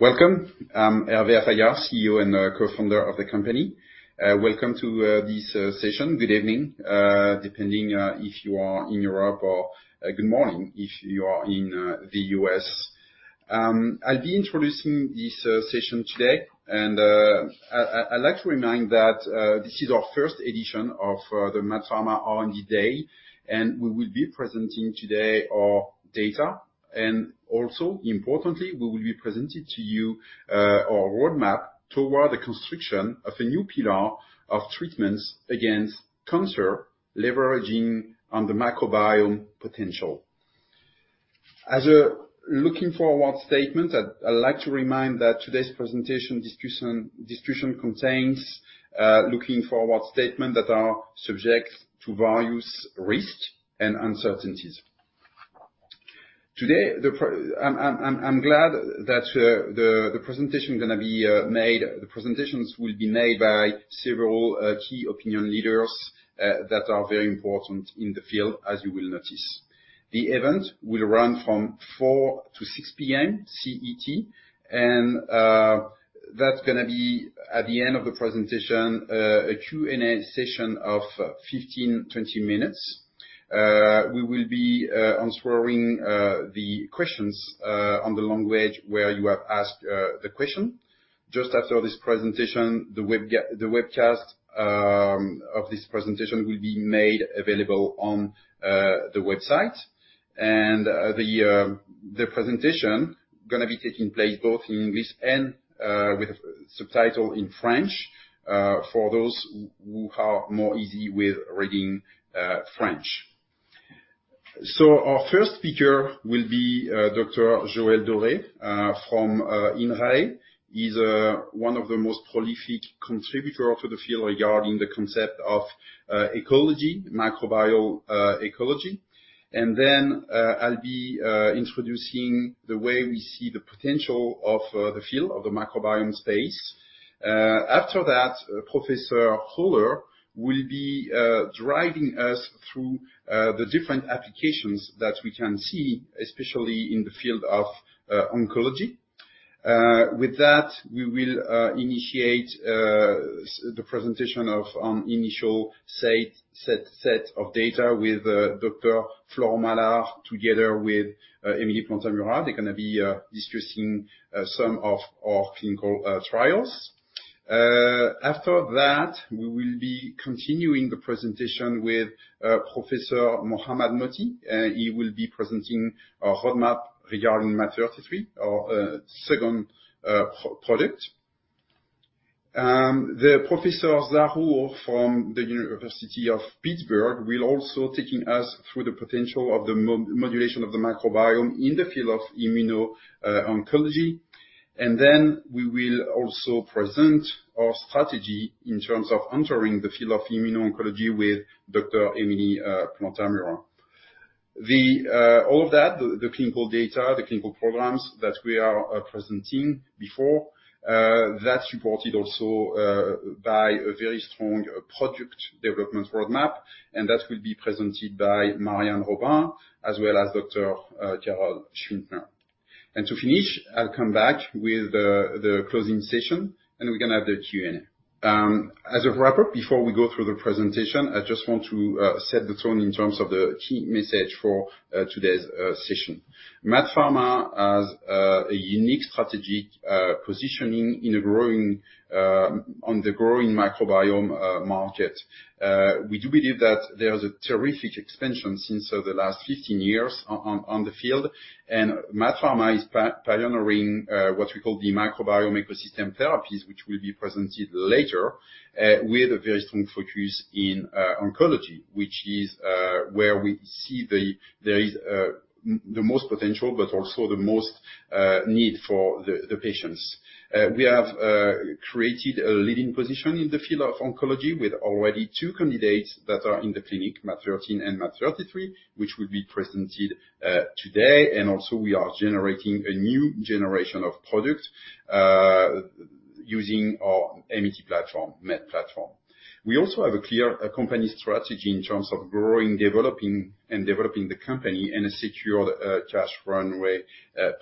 Welcome. I'm Hervé Affagard, CEO and Co-founder of the company. Welcome to this session. Good evening, depending if you are in Europe, or good morning, if you are in the U.S. I'll be introducing this session today, and I'd like to remind that this is our first edition of the MaaT Pharma R&D day, and we will be presenting today our data. Also importantly, we will be presenting to you our roadmap toward the construction of a new pillar of treatments against cancer, leveraging on the microbiome potential. As a looking forward statement, I'd like to remind that today's presentation discussion distribution contains looking forward statements that are subject to various risks and uncertainties. I'm glad that the presentation is gonna be made. The presentations will be made by several key opinion leaders that are very important in the field, as you will notice. The event will run from 4 to 6 P.M. CET, and that's gonna be at the end of the presentation a Q&A session of 15, 20 minutes. We will be answering the questions on the language where you have asked the question. Just after this presentation, the webcast of this presentation will be made available on the website. The presentation gonna be taking place both in English and with subtitle in French for those who are more at ease with reading French. Our first speaker will be Dr. Joël Doré from INRAE. He's one of the most prolific contributor to the field regarding the concept of ecology, microbiome, ecology. I'll be introducing the way we see the potential of the field of the microbiome space. After that, Professor Holler will be driving us through the different applications that we can see, especially in the field of oncology. With that, we will initiate the presentation of initial set of data with Dr. Florent Malard together with Emilie Plantamura. They're gonna be discussing some of our clinical trials. After that, we will be continuing the presentation with Professor Mohamad Mohty. He will be presenting our roadmap regarding MaaT033, our second product. The Professor Hassane Zarour from the University of Pittsburgh will also taking us through the potential of the modulation of the microbiome in the field of immuno-oncology. Then we will also present our strategy in terms of entering the field of immuno-oncology with Dr. Emilie Plantamura. All that, the clinical data, the clinical programs that we are presenting before, that's supported also by a very strong project development roadmap, and that will be presented by Marianne Robin, as well as Dr. Carole Schwintner. To finish, I'll come back with the closing session, and we can have the Q&A. As a wrapper, before we go through the presentation, I just want to set the tone in terms of the key message for today's session. MaaT Pharma has a unique strategic positioning in a growing microbiome market. We do believe that there's a terrific expansion since the last 15 years on the field. MaaT Pharma is pioneering what we call the microbiome ecosystem therapies, which will be presented later with a very strong focus in oncology, which is where we see the most potential, but also the most need for the patients. We have created a leading position in the field of oncology with already two candidates that are in the clinic, MaaT013 and MaaT033, which will be presented today. We are generating a new generation of products using our AI platform, MaaT platform. We also have a clear company strategy in terms of growing and developing the company in a secure cash runway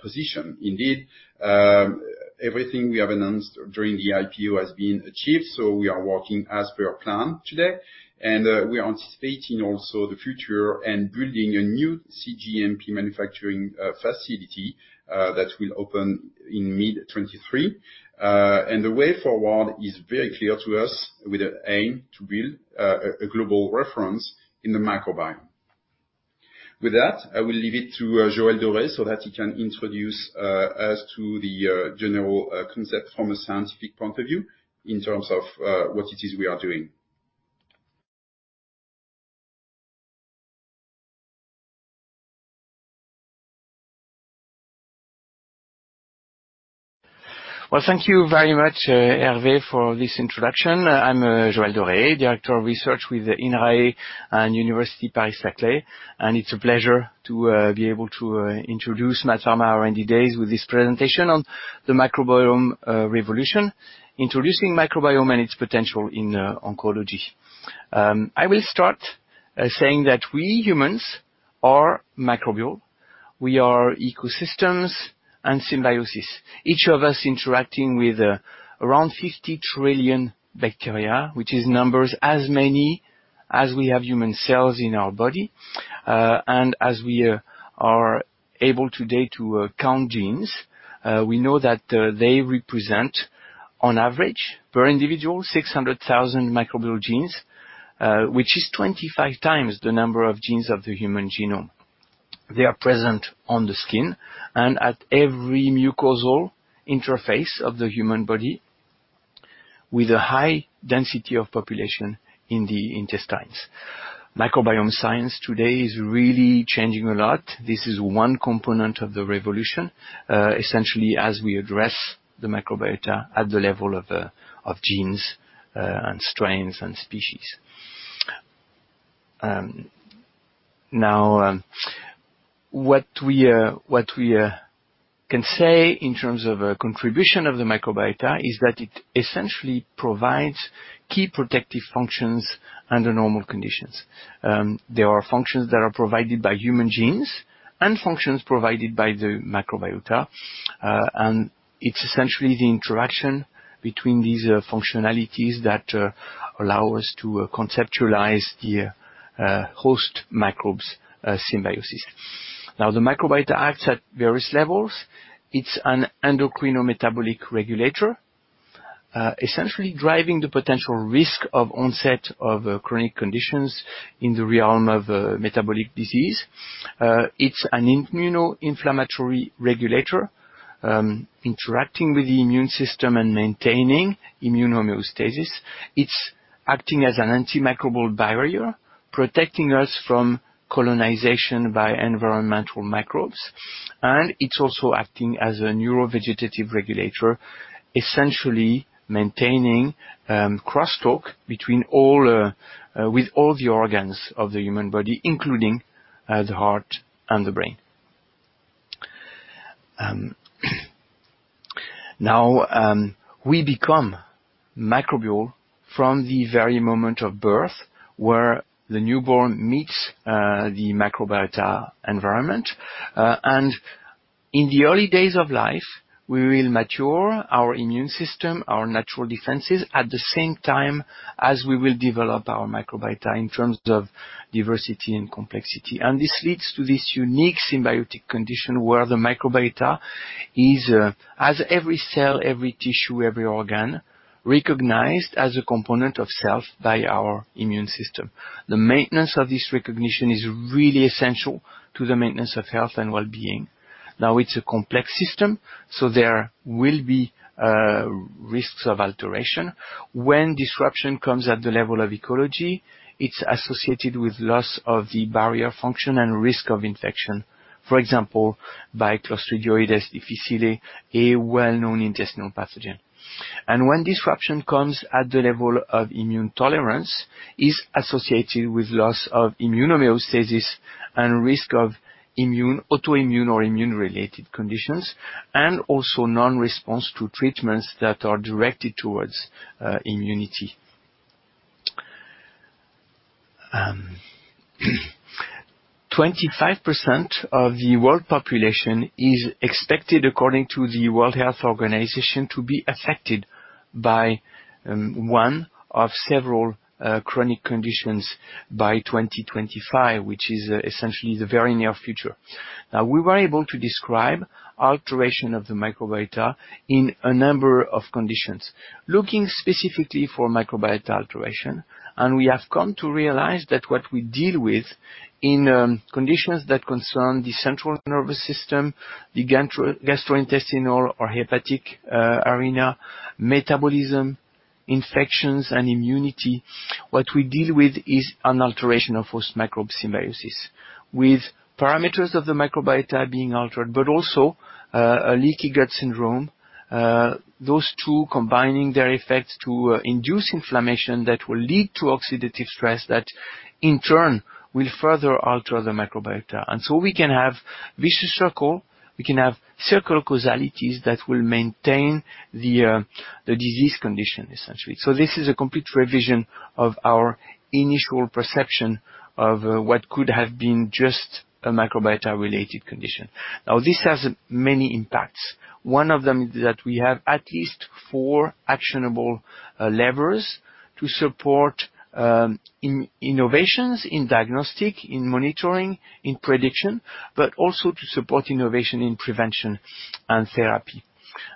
position. Indeed, everything we have announced during the IPO has been achieved, so we are working as per plan today. We are anticipating also the future and building a new cGMP manufacturing facility that will open in mid-2023. The way forward is very clear to us, with an aim to build a global reference in the microbiome. With that, I will leave it to Joël Doré so that he can introduce us to the general concept from a scientific point of view in terms of what it is we are doing. Well, thank you very much, Hervé, for this introduction. I'm Joël Doré, Director of Research with INRAE and Université Paris-Saclay, and it's a pleasure to be able to introduce MaaT Pharma R&D Days with this presentation on the microbiome revolution, introducing microbiome and its potential in oncology. I will start saying that we humans are microbial. We are ecosystems and symbiosis, each of us interacting with around 50 trillion bacteria, which is numbers as many as we have human cells in our body. And as we are able today to count genes, we know that they represent, on average per individual, 600,000 microbial genes, which is 25x the number of genes of the human genome. They are present on the skin and at every mucosal interface of the human body with a high density of population in the intestines. Microbiome science today is really changing a lot. This is one component of the revolution, essentially, as we address the microbiota at the level of genes and strains and species. Now, what we can say in terms of a contribution of the microbiota is that it essentially provides key protective functions under normal conditions. There are functions that are provided by human genes and functions provided by the microbiota. It's essentially the interaction between these functionalities that allow us to conceptualize the host microbes symbiosis. The microbiota acts at various levels. It's an endocrino metabolic regulator, essentially driving the potential risk of onset of, chronic conditions in the realm of, metabolic disease. It's an immunoinflammatory regulator, interacting with the immune system and maintaining immune homeostasis. It's acting as an antimicrobial barrier, protecting us from colonization by environmental microbes. It's also acting as a neuro vegetative regulator, essentially maintaining, crosstalk between all, with all the organs of the human body including, the heart and the brain. Now, we become microbial from the very moment of birth, where the newborn meets, the microbiota environment. In the early days of life, we will mature our immune system, our natural defenses, at the same time as we will develop our microbiota in terms of diversity and complexity. This leads to this unique symbiotic condition where the microbiota is, as every cell, every tissue, every organ recognized as a component of self by our immune system. The maintenance of this recognition is really essential to the maintenance of health and well-being. Now, it's a complex system, so there will be, risks of alteration. When disruption comes at the level of ecology, it's associated with loss of the barrier function and risk of infection, for example, by Clostridioides difficile, a well-known intestinal pathogen. When disruption comes at the level of immune tolerance, is associated with loss of immune homeostasis and risk of immune, autoimmune or immune-related conditions, and also non-response to treatments that are directed towards, immunity. 25% of the world population is expected, according to the World Health Organization, to be affected by one of several chronic conditions by 2025, which is essentially the very near future. Now, we were able to describe alteration of the microbiota in a number of conditions. Looking specifically for microbiota alteration, we have come to realize that what we deal with in conditions that concern the central nervous system, the gastrointestinal or hepatic arena, metabolism, infections, and immunity. What we deal with is an alteration of host microbe symbiosis with parameters of the microbiota being altered, but also a leaky gut syndrome. Those two combining their effects to induce inflammation that will lead to oxidative stress that in turn will further alter the microbiota. We can have a vicious circle. We can have circular causalities that will maintain the disease condition, essentially. This is a complete revision of our initial perception of what could have been just a microbiota-related condition. Now, this has many impacts. One of them is that we have at least four actionable levers to support innovations in diagnostic, in monitoring, in prediction, but also to support innovation in prevention and therapy.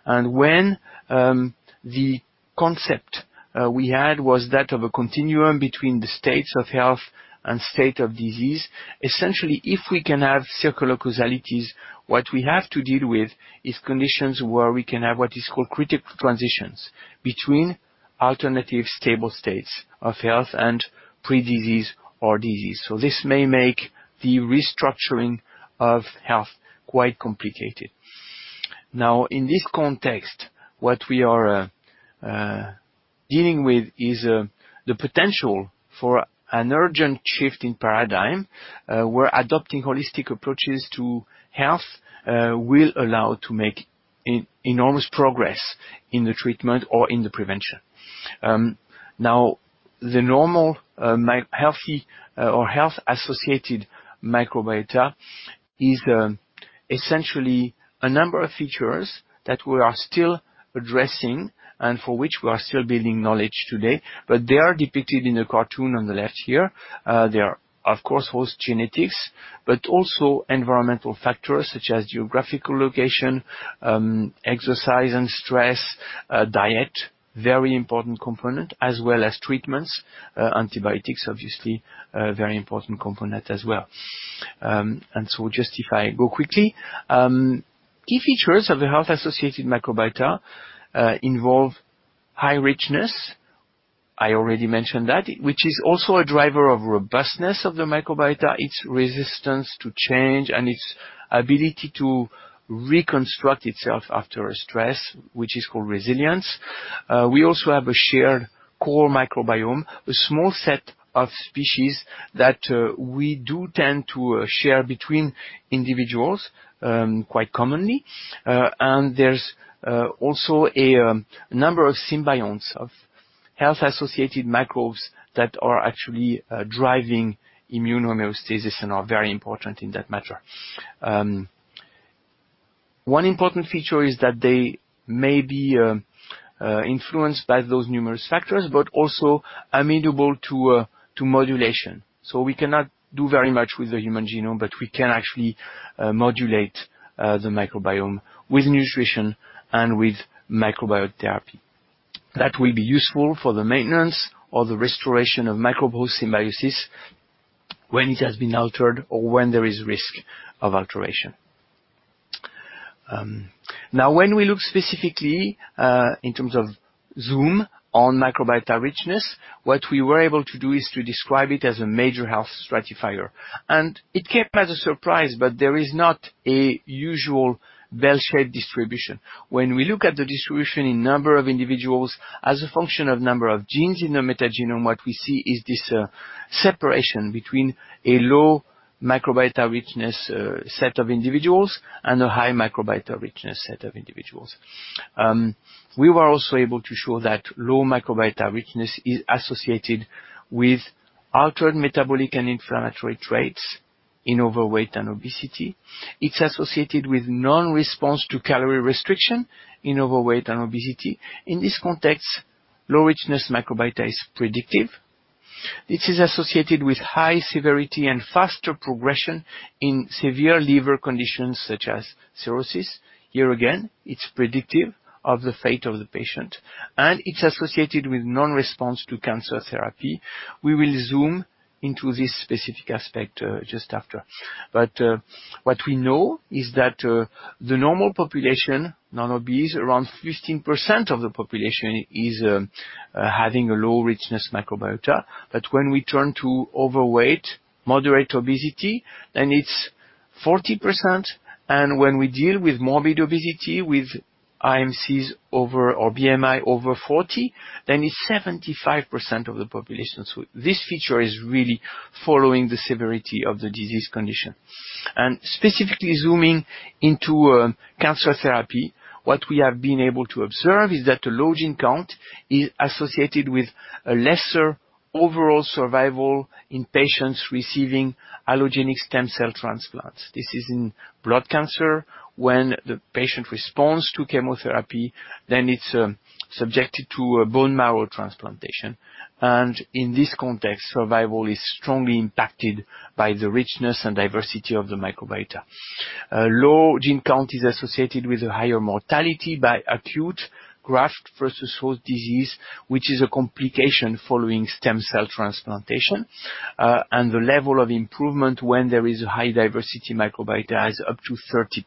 When the concept we had was that of a continuum between the states of health and state of disease, essentially, if we can have circular causalities, what we have to deal with is conditions where we can have what is called critical transitions between alternative stable states of health and pre-disease or disease. This may make the restructuring of health quite complicated. Now, in this context, what we are dealing with is the potential for an urgent shift in paradigm. We're adopting holistic approaches to health will allow to make enormous progress in the treatment or in the prevention. Now the normal healthy or health-associated microbiota is essentially a number of features that we are still addressing and for which we are still building knowledge today, but they are depicted in the cartoon on the left here. There are, of course, host genetics, but also environmental factors such as geographical location, exercise and stress, diet, very important component, as well as treatments, antibiotics, obviously, a very important component as well. Just if I go quickly. Key features of the health-associated microbiota involve high richness, I already mentioned that, which is also a driver of robustness of the microbiota, its resistance to change and its ability to reconstruct itself after a stress, which is called resilience. We also have a shared core microbiome, a small set of species that we do tend to share between individuals quite commonly. There's also a number of symbionts of health-associated microbes that are actually driving immune homeostasis and are very important in that matter. One important feature is that they may be influenced by those numerous factors, but also amenable to modulation. We cannot do very much with the human genome, but we can actually modulate the microbiome with nutrition and with microbiotherapy. That will be useful for the maintenance or the restoration of microbe-host symbiosis when it has been altered or when there is risk of alteration. Now, when we look specifically in terms of zoom on microbiota richness, what we were able to do is to describe it as a major health stratifier. It came as a surprise, but there is not a usual bell-shaped distribution. When we look at the distribution in number of individuals as a function of number of genes in the metagenome, what we see is this separation between a low microbiota richness set of individuals and a high microbiota richness set of individuals. We were also able to show that low microbiota richness is associated with altered metabolic and inflammatory traits in overweight and obesity. It's associated with non-response to calorie restriction in overweight and obesity. In this context, low richness microbiota is predictive. It is associated with high severity and faster progression in severe liver conditions such as cirrhosis. Here again, it's predictive of the fate of the patient, and it's associated with non-response to cancer therapy. We will zoom into this specific aspect just after. What we know is that the normal population, non-obese, around 15% of the population is having a low richness microbiota. When we turn to overweight, moderate obesity, then it's 40%, and when we deal with morbid obesity, with BMI over 40, then it's 75% of the population. This feature is really following the severity of the disease condition. Specifically zooming into cancer therapy, what we have been able to observe is that a low gene count is associated with a lesser overall survival in patients receiving allogeneic stem cell transplants. This is in blood cancer. When the patient responds to chemotherapy, then it's subjected to a bone marrow transplantation. In this context, survival is strongly impacted by the richness and diversity of the microbiota. A low gene count is associated with a higher mortality by acute graft-versus-host disease, which is a complication following stem cell transplantation. The level of improvement when there is a high diversity microbiota is up to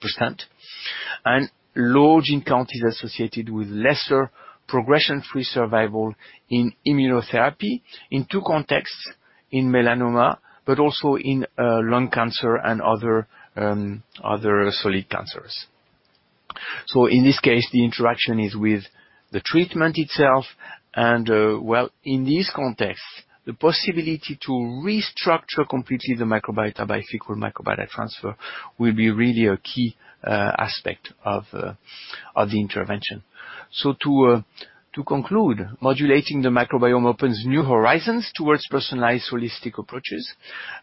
30%. Low gene count is associated with lesser progression-free survival in immunotherapy in two contexts, in melanoma, but also in lung cancer and other solid cancers. In this case, the interaction is with the treatment itself, and, well, in this context, the possibility to restructure completely the microbiota by fecal microbiota transfer will be really a key aspect of the intervention. To conclude, modulating the microbiome opens new horizons towards personalized holistic approaches.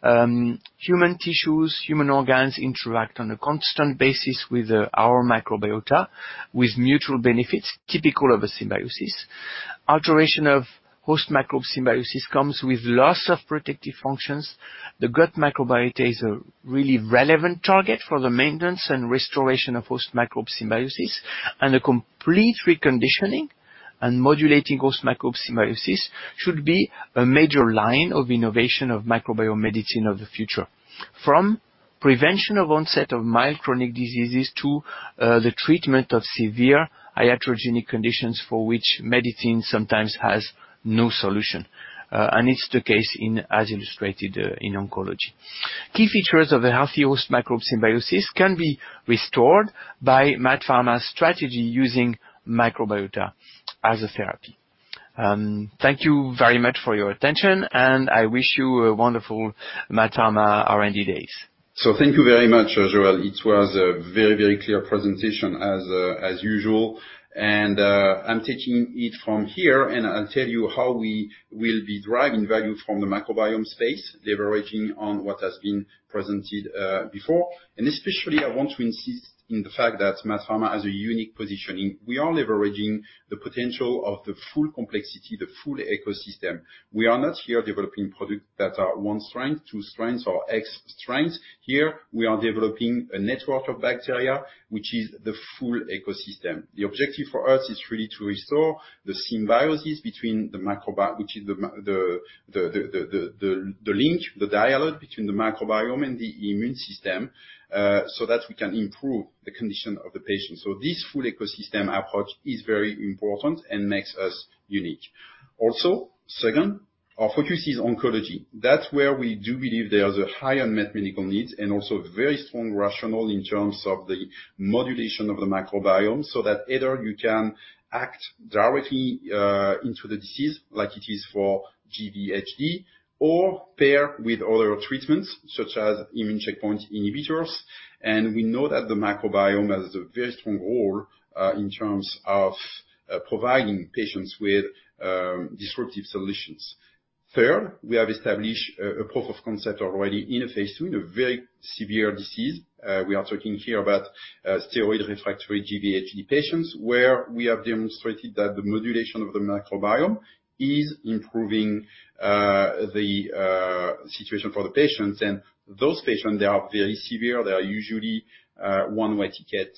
Human tissues, human organs interact on a constant basis with our microbiota with mutual benefits typical of a symbiosis. Alteration of host microbe symbiosis comes with loss of protective functions. The gut microbiota is a really relevant target for the maintenance and restoration of host microbe symbiosis, and a complete reconditioning and modulating host microbe symbiosis should be a major line of innovation of microbiome medicine of the future. From prevention of onset of mild chronic diseases to the treatment of severe iatrogenic conditions for which medicine sometimes has no solution. It's the case as illustrated in oncology. Key features of a healthy host microbe symbiosis can be restored by MaaT Pharma's strategy using microbiota as a therapy. Thank you very much for your attention, and I wish you a wonderful MaaT Pharma R&D Days. Thank you very much, Joël. It was a very, very clear presentation as usual. I'm taking it from here, and I'll tell you how we will be driving value from the microbiome space, leveraging on what has been presented before. Especially I want to insist in the fact that MaaT Pharma has a unique positioning. We are leveraging the potential of the full complexity, the full ecosystem. We are not here developing products that are one strength, two strengths, or X strengths. Here we are developing a network of bacteria, which is the full ecosystem. The objective for us is really to restore the symbiosis between the microbiome, which is the link, the dialogue between the microbiome and the immune system, so that we can improve the condition of the patient. This full ecosystem approach is very important and makes us unique. Also, second, our focus is oncology. That's where we do believe there's a high unmet medical needs and also very strong rationale in terms of the modulation of the microbiome, so that either you can act directly into the disease like it is for GVHD, or pair with other treatments such as immune checkpoint inhibitors. We know that the microbiome has a very strong role in terms of providing patients with disruptive solutions. Third, we have established a proof of concept already in a phase two, in a very severe disease. We are talking here about steroid refractory GVHD patients, where we have demonstrated that the modulation of the microbiome is improving the situation for the patients. Those patients, they are very severe. They are usually one way ticket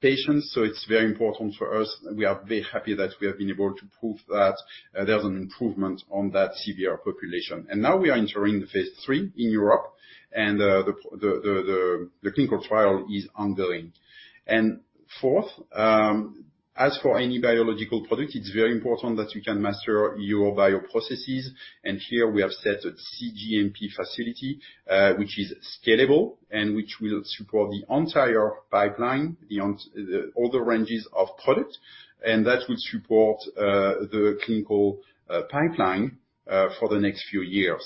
patients, so it's very important for us. We are very happy that we have been able to prove that there's an improvement on that severe population. Now we are entering the phase III in Europe, and the clinical trial is ongoing. Fourth, as for any biological product, it's very important that you can master your bioprocesses. Here we have set a cGMP facility, which is scalable and which will support the entire pipeline beyond all the ranges of products. That will support the clinical pipeline for the next few years.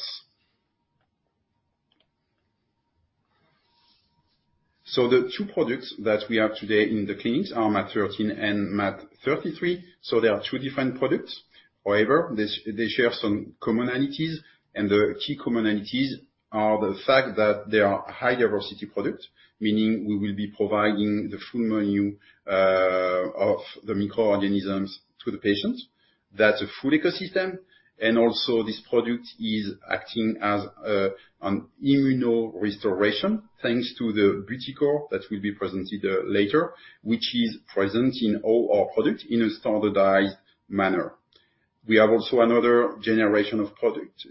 The two products that we have today in the clinics are MaaT013 and MaaT033. They are two different products. However, they share some commonalities, and the key commonalities are the fact that they are high diversity products, meaning we will be providing the full menu of the microorganisms to the patients. That's a full ecosystem. Also this product is acting as an immune restoration, thanks to the ButyCore that will be presented later, which is present in all our products in a standardized manner. We have also another generation of product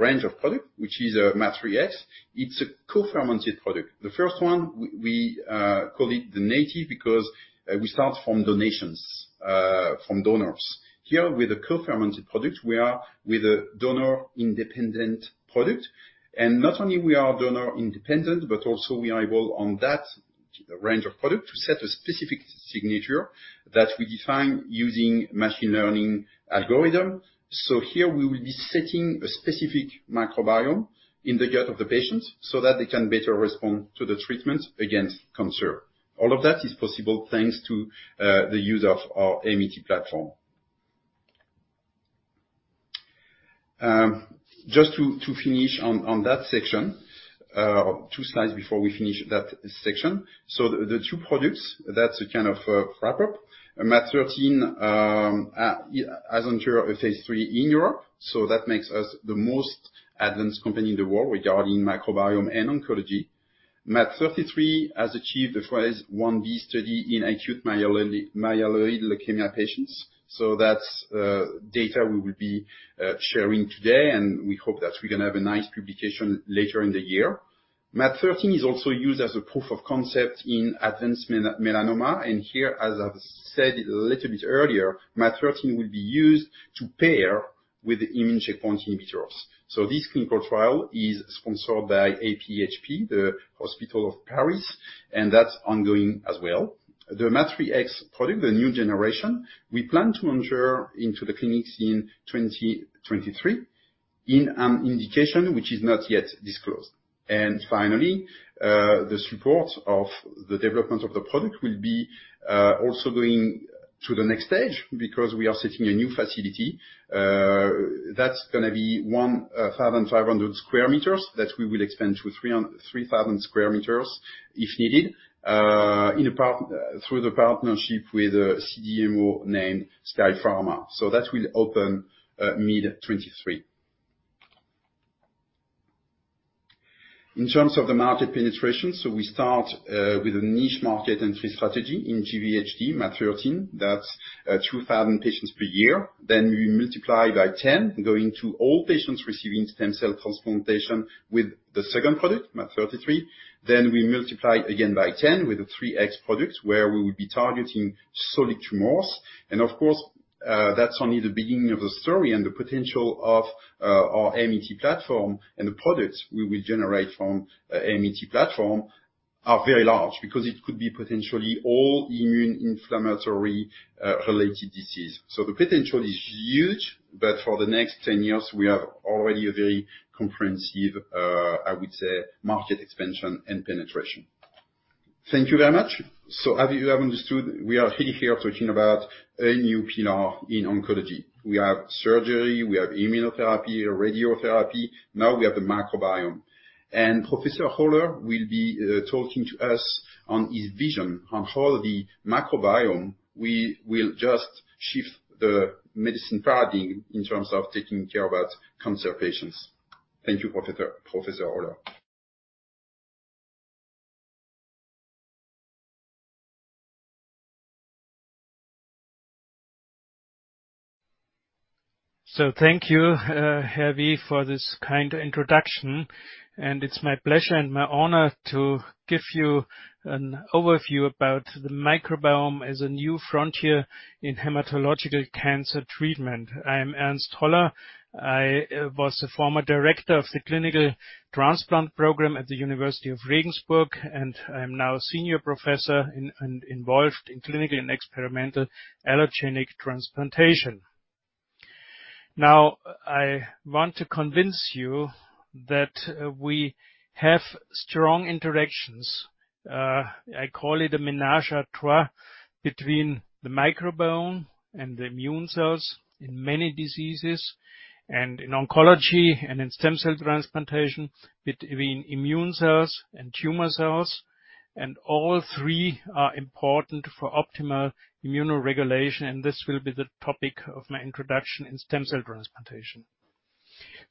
range of product, which is MaaT03X. It's a co-fermented product. The first one, we call it the native because we start from donations from donors. Here with the co-fermented product, we are with a donor-independent product. Not only we are donor independent, but also we are able on that range of product to set a specific signature that we define using machine learning algorithm. Here we will be setting a specific microbiome in the gut of the patients, so that they can better respond to the treatment against cancer. All of that is possible thanks to the use of our MaaT platform. Just to finish on that section, two slides before we finish that section. The two products, that's a kind of a wrap up. MaaT013 has entered phase III in Europe, so that makes us the most advanced company in the world regarding microbiome and oncology. MaaT033 has achieved a phase Ib study in acute myeloid leukemia patients. That's data we will be sharing today, and we hope that we're gonna have a nice publication later in the year. MaaT013 is also used as a proof of concept in advanced melanoma. Here, as I've said a little bit earlier, MaaT013 will be used to pair with the immune checkpoint inhibitors. This clinical trial is sponsored by AP-HP, the hospital of Paris, and that's ongoing as well. The MaaT03X product, the new generation, we plan to enter into the clinics in 2023 in an indication which is not yet disclosed. Finally, the support of the development of the product will be also going to the next stage because we are setting a new facility. That's gonna be 1,500 sq m that we will expand to 3,000 sq m if needed, through the partnership with a CDMO named Skyepharma. That will open mid-2023. In terms of the market penetration, we start with a niche market entry strategy in GVHD, MaaT013. That's 2,000 patients per year. We multiply by 10 going to all patients receiving stem cell transplantation with the second product, MaaT033. We multiply again by 10 with the MaaT03X product, where we will be targeting solid tumors. Of course, that's only the beginning of the story and the potential of our MaaT platform and the products we will generate from the MaaT platform. Are very large because it could be potentially all immune inflammatory related disease. The potential is huge, but for the next 10 years, we have already a very comprehensive, I would say, market expansion and penetration. Thank you very much. As you have understood, we are really here talking about a new pillar in oncology. We have surgery, we have immunotherapy, radiotherapy, now we have the microbiome. Professor Holler will be talking to us on his vision on how the microbiome will just shift the medicine paradigm in terms of taking care of our cancer patients. Thank you, Professor Holler. Thank you, Hervé, for this kind introduction. It's my pleasure and my honor to give you an overview about the microbiome as a new frontier in hematological cancer treatment. I am Ernst Holler. I was a former director of the clinical transplant program at the University of Regensburg, and I'm now a senior professor involved in clinical and experimental allogeneic transplantation. Now, I want to convince you that we have strong interactions, I call it a ménage à trois, between the microbiome and the immune cells in many diseases and in oncology and in stem cell transplantation between immune cells and tumor cells, and all three are important for optimal immunoregulation, and this will be the topic of my introduction in stem cell transplantation.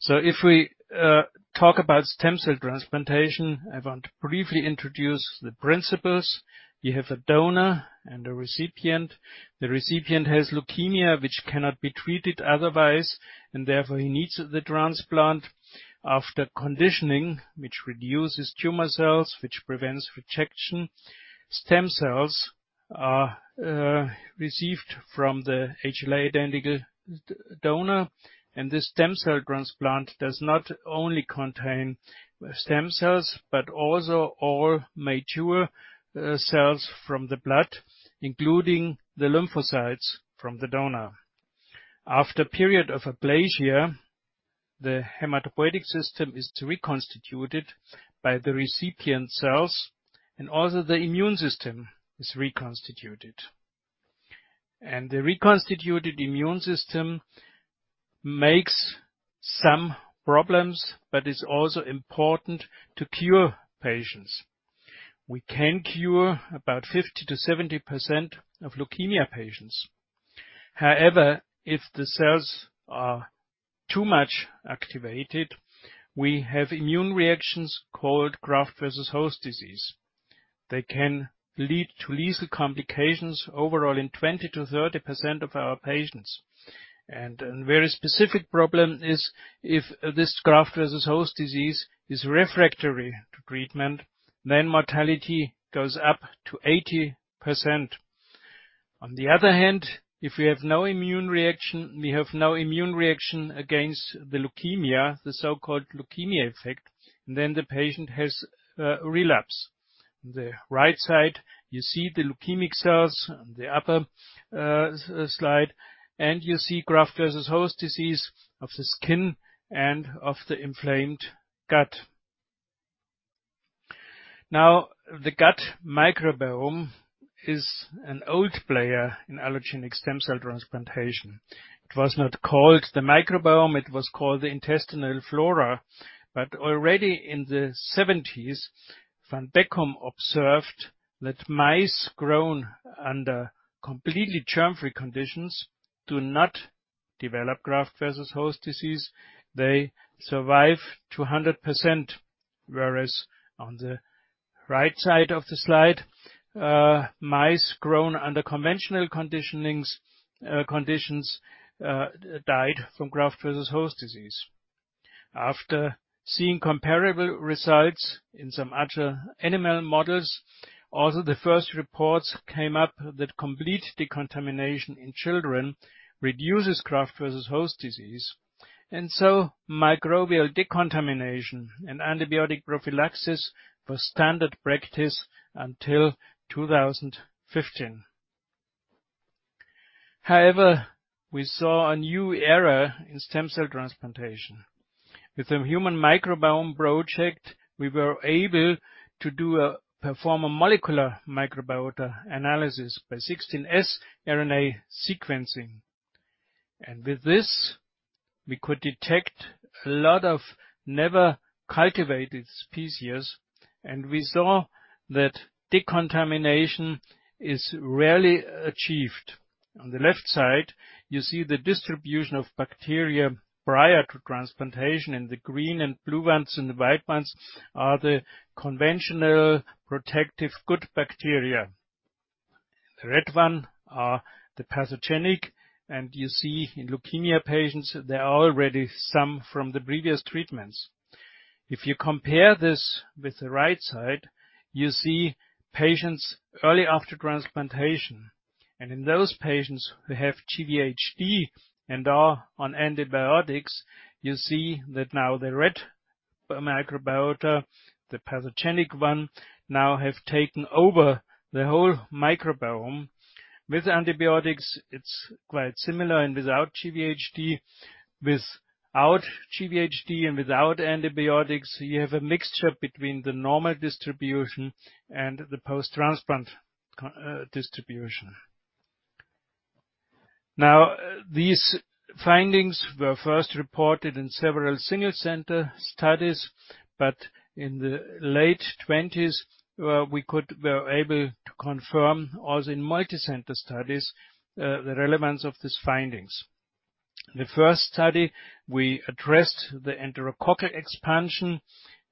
If we talk about stem cell transplantation, I want to briefly introduce the principles. You have a donor and a recipient. The recipient has leukemia, which cannot be treated otherwise, and therefore he needs the transplant. After conditioning, which reduces tumor cells, which prevents rejection, stem cells are received from the HLA-identical donor, and this stem cell transplant does not only contain stem cells, but also all mature cells from the blood, including the lymphocytes from the donor. After a period of aplasia, the hematopoietic system is reconstituted by the recipient cells, and also the immune system is reconstituted. The reconstituted immune system makes some problems, but is also important to cure patients. We can cure about 50%-70% of leukemia patients. However, if the cells are too much activated, we have immune reactions called graft-versus-host disease. They can lead to lethal complications overall in 20%-30% of our patients. A very specific problem is if this graft-versus-host disease is refractory to treatment, then mortality goes up to 80%. On the other hand, if we have no immune reaction, we have no immune reaction against the leukemia, the so-called leukemia effect, then the patient has a relapse. On the right side, you see the leukemic cells on the upper slide, and you see graft-versus-host disease of the skin and of the inflamed gut. Now, the gut microbiome is an old player in allogeneic stem cell transplantation. It was not called the microbiome. It was called the intestinal flora. But already in the 1970s, van Bekkum observed that mice grown under completely germ-free conditions do not develop graft-versus-host disease. They survive to 100%, whereas on the right side of the slide, mice grown under conventional conditions died from graft-versus-host disease. After seeing comparable results in some other animal models, the first reports came up that complete decontamination in children reduces graft-versus-host disease. Microbial decontamination and antibiotic prophylaxis was standard practice until 2015. However, we saw a new era in stem cell transplantation. With the Human Microbiome Project, we were able to perform a molecular microbiota analysis by 16S rRNA sequencing. With this, we could detect a lot of never cultivated species, and we saw that decontamination is rarely achieved. On the left side, you see the distribution of bacteria prior to transplantation, and the green and blue ones and the white ones are the conventional protective good bacteria. The red one are the pathogenic. You see in leukemia patients, there are already some from the previous treatments. If you compare this with the right side, you see patients early after transplantation. In those patients who have GvHD and are on antibiotics, you see that now the red microbiota, the pathogenic one, now have taken over the whole microbiome. With antibiotics, it's quite similar, and without GvHD. Without GvHD and without antibiotics, you have a mixture between the normal distribution and the post-transplant distribution. These findings were first reported in several single center studies, but in the late twenties, we were able to confirm, as in multicenter studies, the relevance of these findings. The first study, we addressed the enterococcal expansion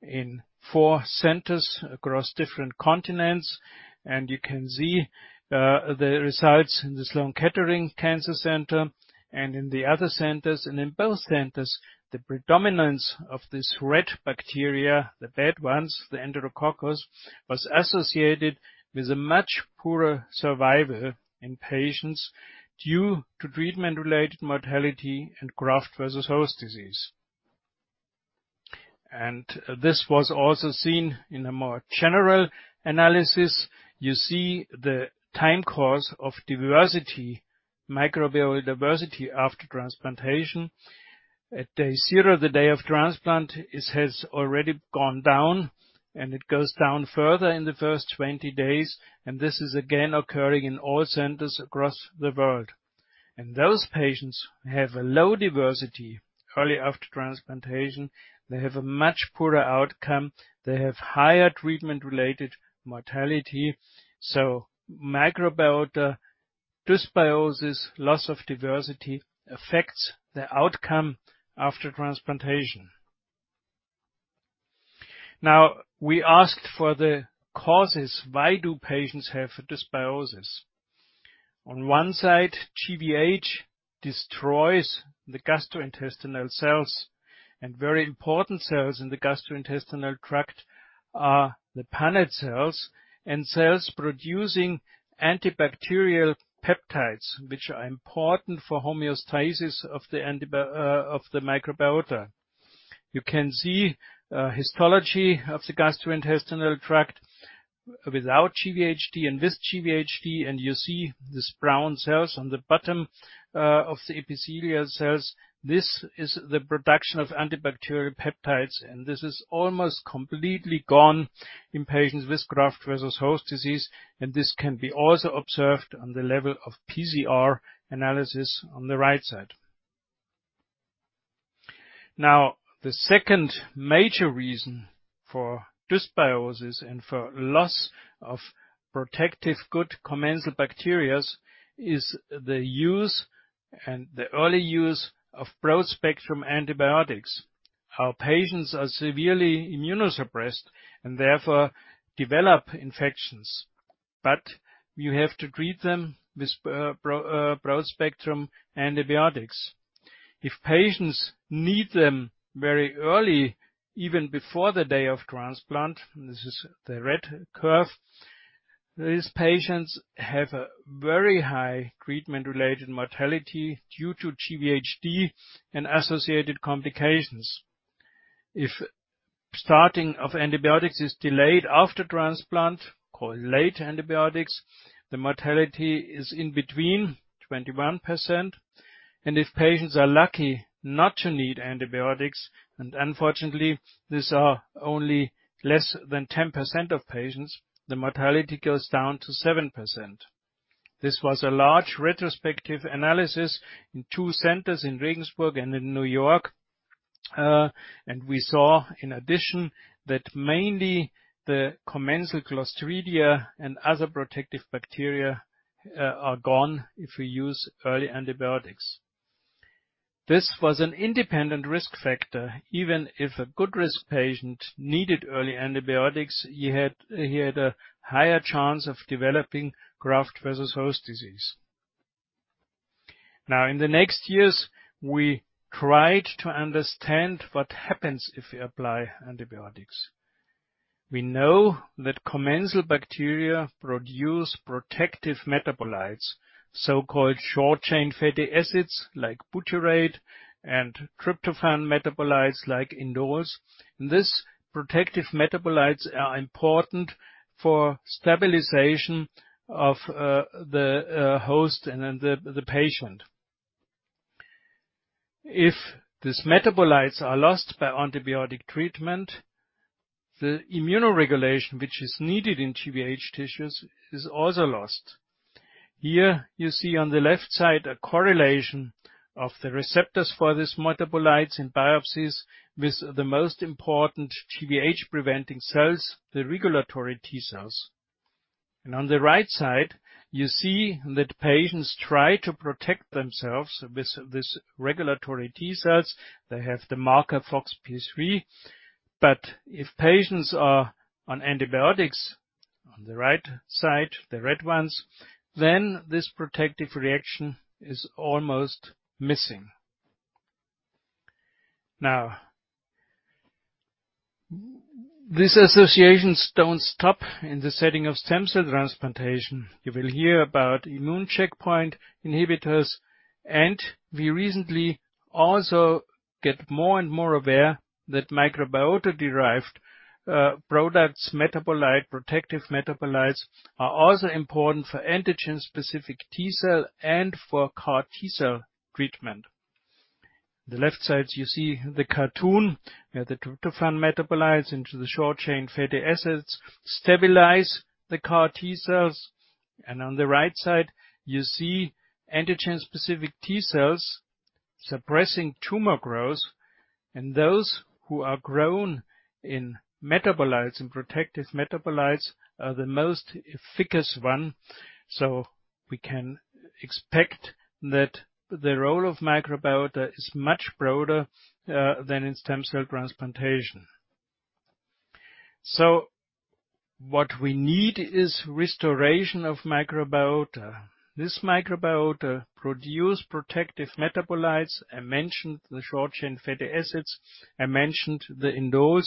in four centers across different continents, and you can see the results in the Sloan Kettering Cancer Center and in the other centers. In both centers, the predominance of this red bacteria, the bad ones, the Enterococcus, was associated with a much poorer survival in patients due to treatment-related mortality and graft-versus-host disease. This was also seen in a more general analysis. You see the time course of diversity, microbial diversity, after transplantation. At day zero, the day of transplant, it has already gone down, and it goes down further in the first 20 days, and this is again occurring in all centers across the world. Those patients have a low diversity early after transplantation. They have a much poorer outcome. They have higher treatment-related mortality. Microbiota dysbiosis, loss of diversity, affects the outcome after transplantation. Now, we asked for the causes. Why do patients have dysbiosis? On one side, GvHD destroys the gastrointestinal cells, and very important cells in the gastrointestinal tract are the Paneth cells and cells producing antibacterial peptides, which are important for homeostasis of the microbiota. You can see histology of the gastrointestinal tract without GvHD and with GvHD, and you see these brown cells on the bottom of the epithelial cells. This is the production of antibacterial peptides, and this is almost completely gone in patients with graft-versus-host disease. This can be also observed on the level of PCR analysis on the right side. Now, the second major reason for dysbiosis and for loss of protective good commensal bacteria is the use and the early use of broad-spectrum antibiotics. Our patients are severely immunosuppressed, and therefore develop infections, but you have to treat them with broad-spectrum antibiotics. If patients need them very early, even before the day of transplant, and this is the red curve, these patients have a very high treatment-related mortality due to GvHD and associated complications. If starting of antibiotics is delayed after transplant, called late antibiotics, the mortality is in between 21%. If patients are lucky not to need antibiotics, and unfortunately these are only less than 10% of patients, the mortality goes down to 7%. This was a large retrospective analysis in two centers in Regensburg and in New York. We saw in addition that mainly the commensal Clostridia and other protective bacteria are gone if we use early antibiotics. This was an independent risk factor. Even if a good risk patient needed early antibiotics, he had a higher chance of developing graft-versus-host disease. Now, in the next years, we tried to understand what happens if we apply antibiotics. We know that commensal bacteria produce protective metabolites, so-called short-chain fatty acids like butyrate and tryptophan metabolites like indoles. These protective metabolites are important for stabilization of the host and then the patient. If these metabolites are lost by antibiotic treatment, the immunoregulation, which is needed in GvHD tissues, is also lost. Here you see on the left side a correlation of the receptors for these metabolites in biopsies with the most important GvHD-preventing cells, the regulatory T cells. On the right side, you see that patients try to protect themselves with these regulatory T cells. They have the marker FoxP3. If patients are on antibiotics, on the right side, the red ones, then this protective reaction is almost missing. These associations don't stop in the setting of stem cell transplantation. You will hear about immune checkpoint inhibitors, and we recently also get more and more aware that microbiota-derived products, metabolite, protective metabolites, are also important for antigen-specific T-cell and for CAR-T cell treatment. The left side you see the cartoon, where the tryptophan metabolites into the short-chain fatty acids stabilize the CAR-T cells. On the right side, you see antigen-specific T-cells suppressing tumor growth. Those who are grown in metabolites and protective metabolites are the most efficacious one. We can expect that the role of microbiota is much broader than in stem cell transplantation. What we need is restoration of microbiota. This microbiota produce protective metabolites. I mentioned the short-chain fatty acids, I mentioned the indoles.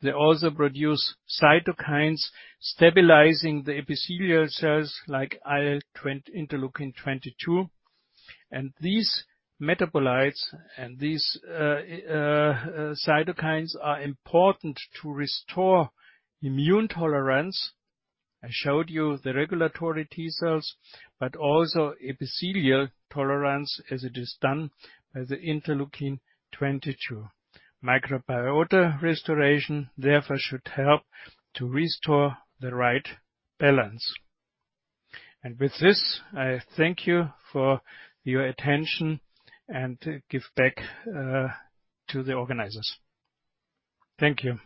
They also produce cytokines stabilizing the epithelial cells like interleukin 22. These metabolites and these cytokines are important to restore immune tolerance. I showed you the regulatory T cells, but also epithelial tolerance as it is done by the interleukin 22. Microbiota restoration, therefore, should help to restore the right balance. With this, I thank you for your attention and give back to the organizers. Thank you.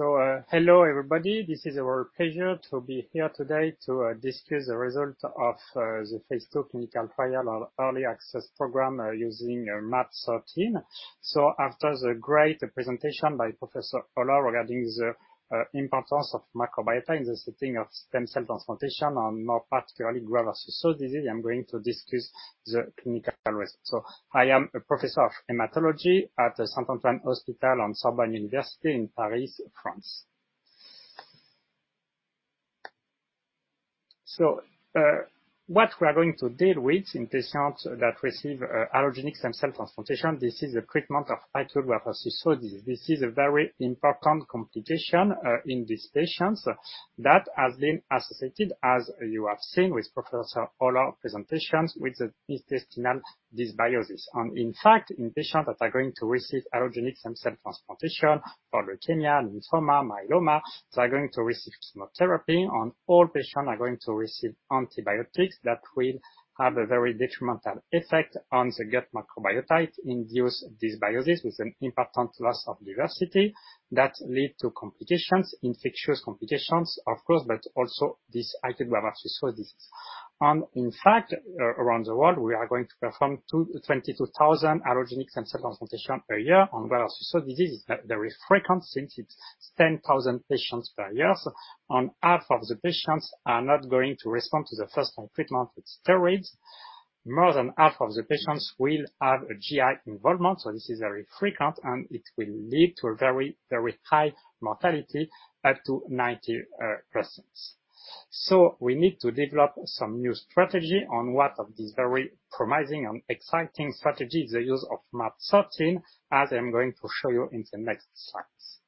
Hello, everybody. This is our pleasure to be here today to discuss the result of the phase II clinical trial on early access program using MaaT013. After the great presentation by Professor Holler regarding the importance of microbiota in the setting of stem cell transplantation and more particularly graft-versus-host disease, I'm going to discuss the clinical results. I am a professor of hematology at the Hôpital Saint-Antoine on Sorbonne University in Paris, France. What we are going to deal with in patients that receive allogeneic stem cell transplantation, this is a treatment of acute graft-versus-host disease. This is a very important complication in these patients that has been associated, as you have seen with Professor Holler presentations, with the intestinal dysbiosis. In fact, in patients that are going to receive allogeneic stem cell transplantation for leukemia, lymphoma, myeloma, they are going to receive chemotherapy and all patients are going to receive antibiotics that will have a very detrimental effect on the gut microbiota, induce dysbiosis with an important loss of diversity that lead to complications, infectious complications of course, but also this acute graft-versus-host disease. In fact, around the world we are going to perform 22,000 allogeneic stem cell transplantation per year. Graft-versus-host disease is very frequent since it's 10,000 patients per year. And half of the patients are not going to respond to the first line treatment with steroids. More than half of the patients will have a GI involvement, so this is very frequent and it will lead to a very, very high mortality, up to 90%. We need to develop some new strategy on one of these very promising and exciting strategy, the use of MaaT013, as I'm going to show you in the next slides.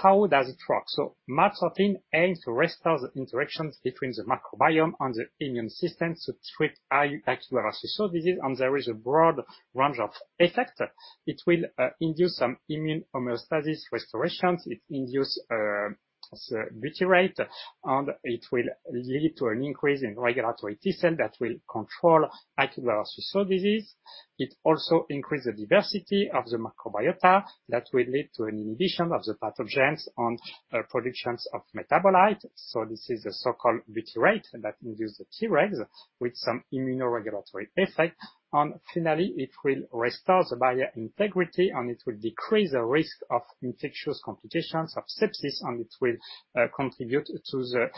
How does it work? MaaT013 aims to restore the interactions between the microbiome and the immune system to treat acute graft-versus-host disease, and there is a broad range of effect. It will induce some immune homeostasis restorations. It induce the butyrate, and it will lead to an increase in regulatory T cell that will control acute graft-versus-host disease. It also increase the diversity of the microbiota that will lead to an inhibition of the pathogens and productions of metabolite. This is the so-called butyrate that induce the Tregs with some immunoregulatory effect. Finally, it will restore the barrier integrity, and it will decrease the risk of infectious complications of sepsis, and it will contribute to the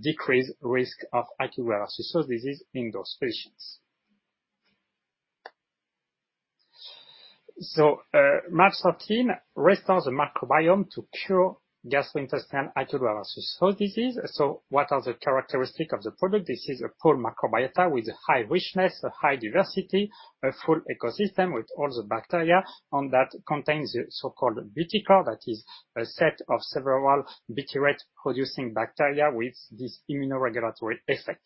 decreased risk of acute graft-versus-host disease in those patients. MaaT013 restores the microbiome to cure gastrointestinal acute graft-versus-host disease. What are the characteristic of the product? This is a pooled microbiota with high richness, a high diversity, a full ecosystem with all the bacteria. And that contains a so-called ButyCore, that is a set of several butyrate-producing bacteria with this immunoregulatory effect.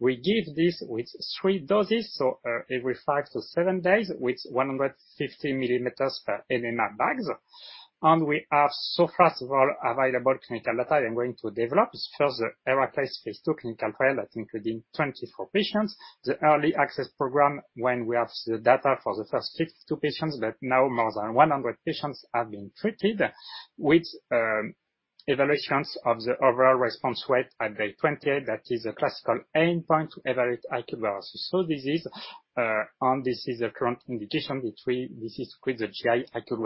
We give this with three doses, every five to seven days with 150 mm per enema bags. We have first of all available clinical data I'm going to develop. First, the HERACLES phase II clinical trial that's including 24 patients. The early access program when we have the data for the first 52 patients, but now more than 100 patients have been treated with evaluations of the overall response rate at day 20. That is a classical endpoint to evaluate acute graft-versus-host disease. This is the current indication with the GI acute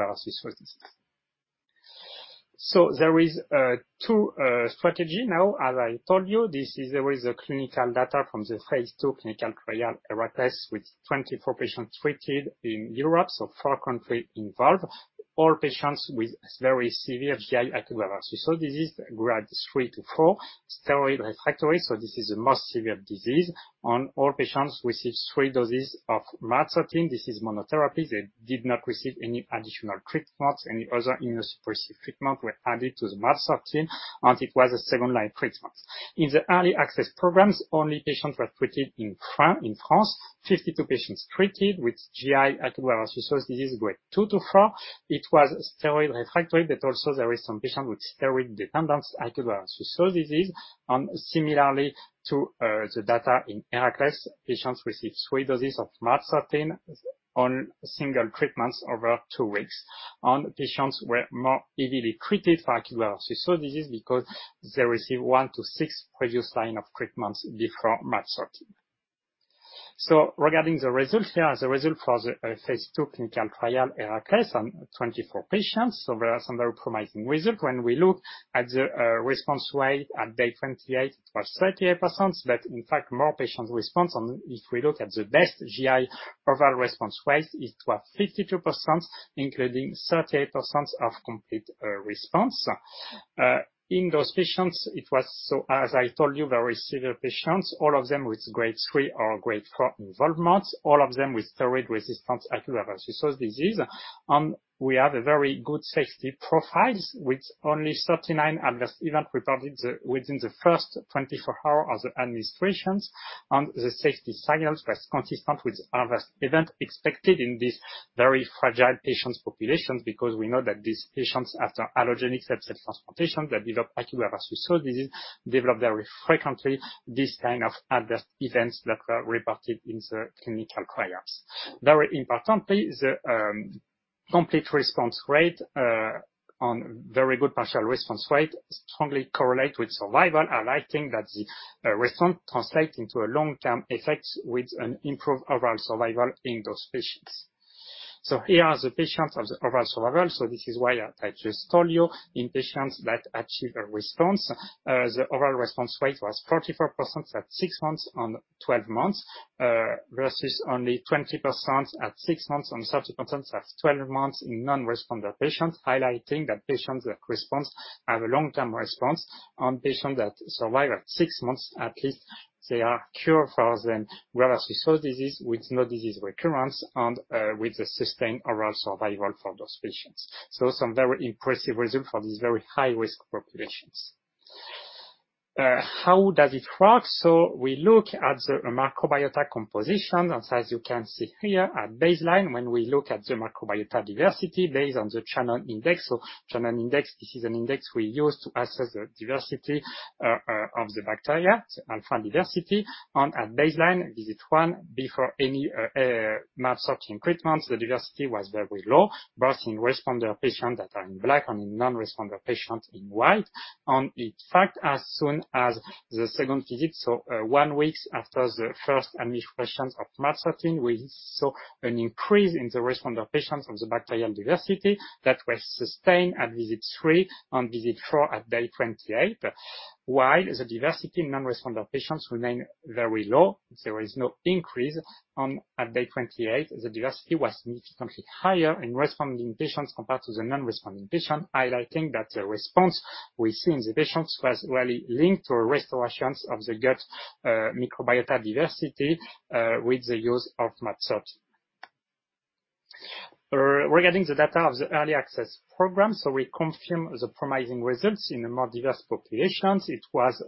graft-versus-host disease. There are two strategies now, as I told you, clinical data from the phase II clinical trial, HERACLES, with 24 patients treated in Europe, so four countries involved. All patients with very severe GI aGVHD, grade three to four, steroid refractory, so this is the most severe disease. All patients received three doses of MaaT013, this is monotherapy. They did not receive any additional treatments. Any other immunosuppressive treatment were added to the MaaT013, and it was a second-line treatment. In the early access programs, only patients were treated in France, 52 patients treated with GI acute GvHD grade two to four. It was steroid refractory, but also there is some patients with steroid dependence acute GvHD. Similarly to the data in HERACLES, patients received three doses of MaaT013 on single treatments over two weeks. Patients were more heavily treated for GvHD because they received one to six previous line of treatments before MaaT013. Regarding the results here, the result for the phase II clinical trial, HERACLES, on 24 patients. There are some very promising results. When we look at the response rate at day 28 was 38%, that in fact more patients response. If we look at the best GI overall response rate, it was 52%, including 38% of complete response. In those patients, it was so as I told you, very severe patients, all of them with grade three or grade four involvement, all of them with steroid-resistant aGVHD. We have a very good safety profile, with only 39 adverse events reported within the first 24 hours of the administration. The safety signals were consistent with adverse events expected in this very fragile patient population, because we know that these patients, after allogeneic stem cell transplantation, they develop aGVHD, develop very frequently this kind of adverse events that were reported in the clinical trials. Very importantly, the complete response rate on very good partial response rate strongly correlate with survival, highlighting that the response translate into a long-term effect with an improved overall survival in those patients. Here are the patients of the overall survival. This is why I just told you, in patients that achieve a response, the overall response rate was 44% at six months and 12 months versus only 20% at six months and 30% at 12 months in non-responder patients, highlighting that patients that response have a long-term response. Patients that survive at six months at least, they are cured for the aGVHD, with no disease recurrence and with the sustained overall survival for those patients. Some very impressive results for these very high-risk populations. How does it work? We look at the microbiota composition. As you can see here, at baseline, when we look at the microbiota diversity based on the Shannon index. Shannon index, this is an index we use to assess the diversity of the bacteria, so alpha diversity. At baseline, visit one, before any pimasertib treatment, the diversity was very low, both in responder patients that are in black and in non-responder patients in white. In fact, as soon as the second visit, one week after the first administration of madsertib, we saw an increase in the responder patients of the bacterial diversity that was sustained at visit three and visit four at day 28. While the diversity in non-responder patients remained very low, there was no increase at day 28. The diversity was significantly higher in responding patients compared to the non-responding patients, highlighting that the response we see in the patients was really linked to restorations of the gut microbiota diversity with the use of MaaT013. Regarding the data of the early access program, we confirm the promising results in a more diverse populations. It was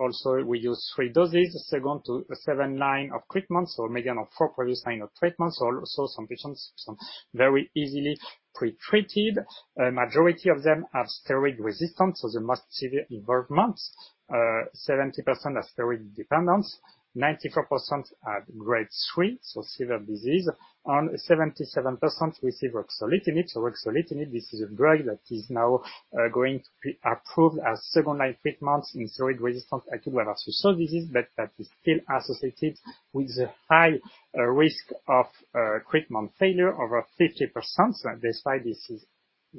also we use three doses, second to seventh line of treatment, median of four previous line of treatment. Some patients very heavily pre-treated. A majority of them are steroid-resistant, the most severe involvement. 70% are steroid dependent, 94% are grade three, severe disease, and 77% receive ruxolitinib. Ruxolitinib, this is a drug that is now going to be approved as second-line treatment in steroid-refractory acute GvHD, but that is still associated with the high risk of treatment failure, over 50%. Despite this,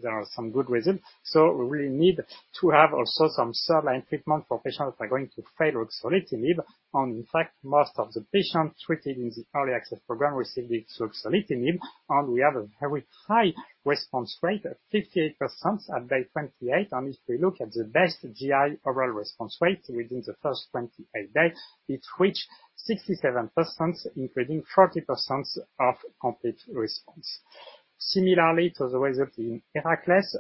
there are some good results. We really need to have also some third-line treatment for patients that are going to fail ruxolitinib. In fact, most of the patients treated in the early access program received the ruxolitinib, and we have a very high response rate of 58% at day 28. If we look at the best GI overall response rate within the first 28 days, it reached 67%, including 40% of complete response. Similarly to the result in HERACLES,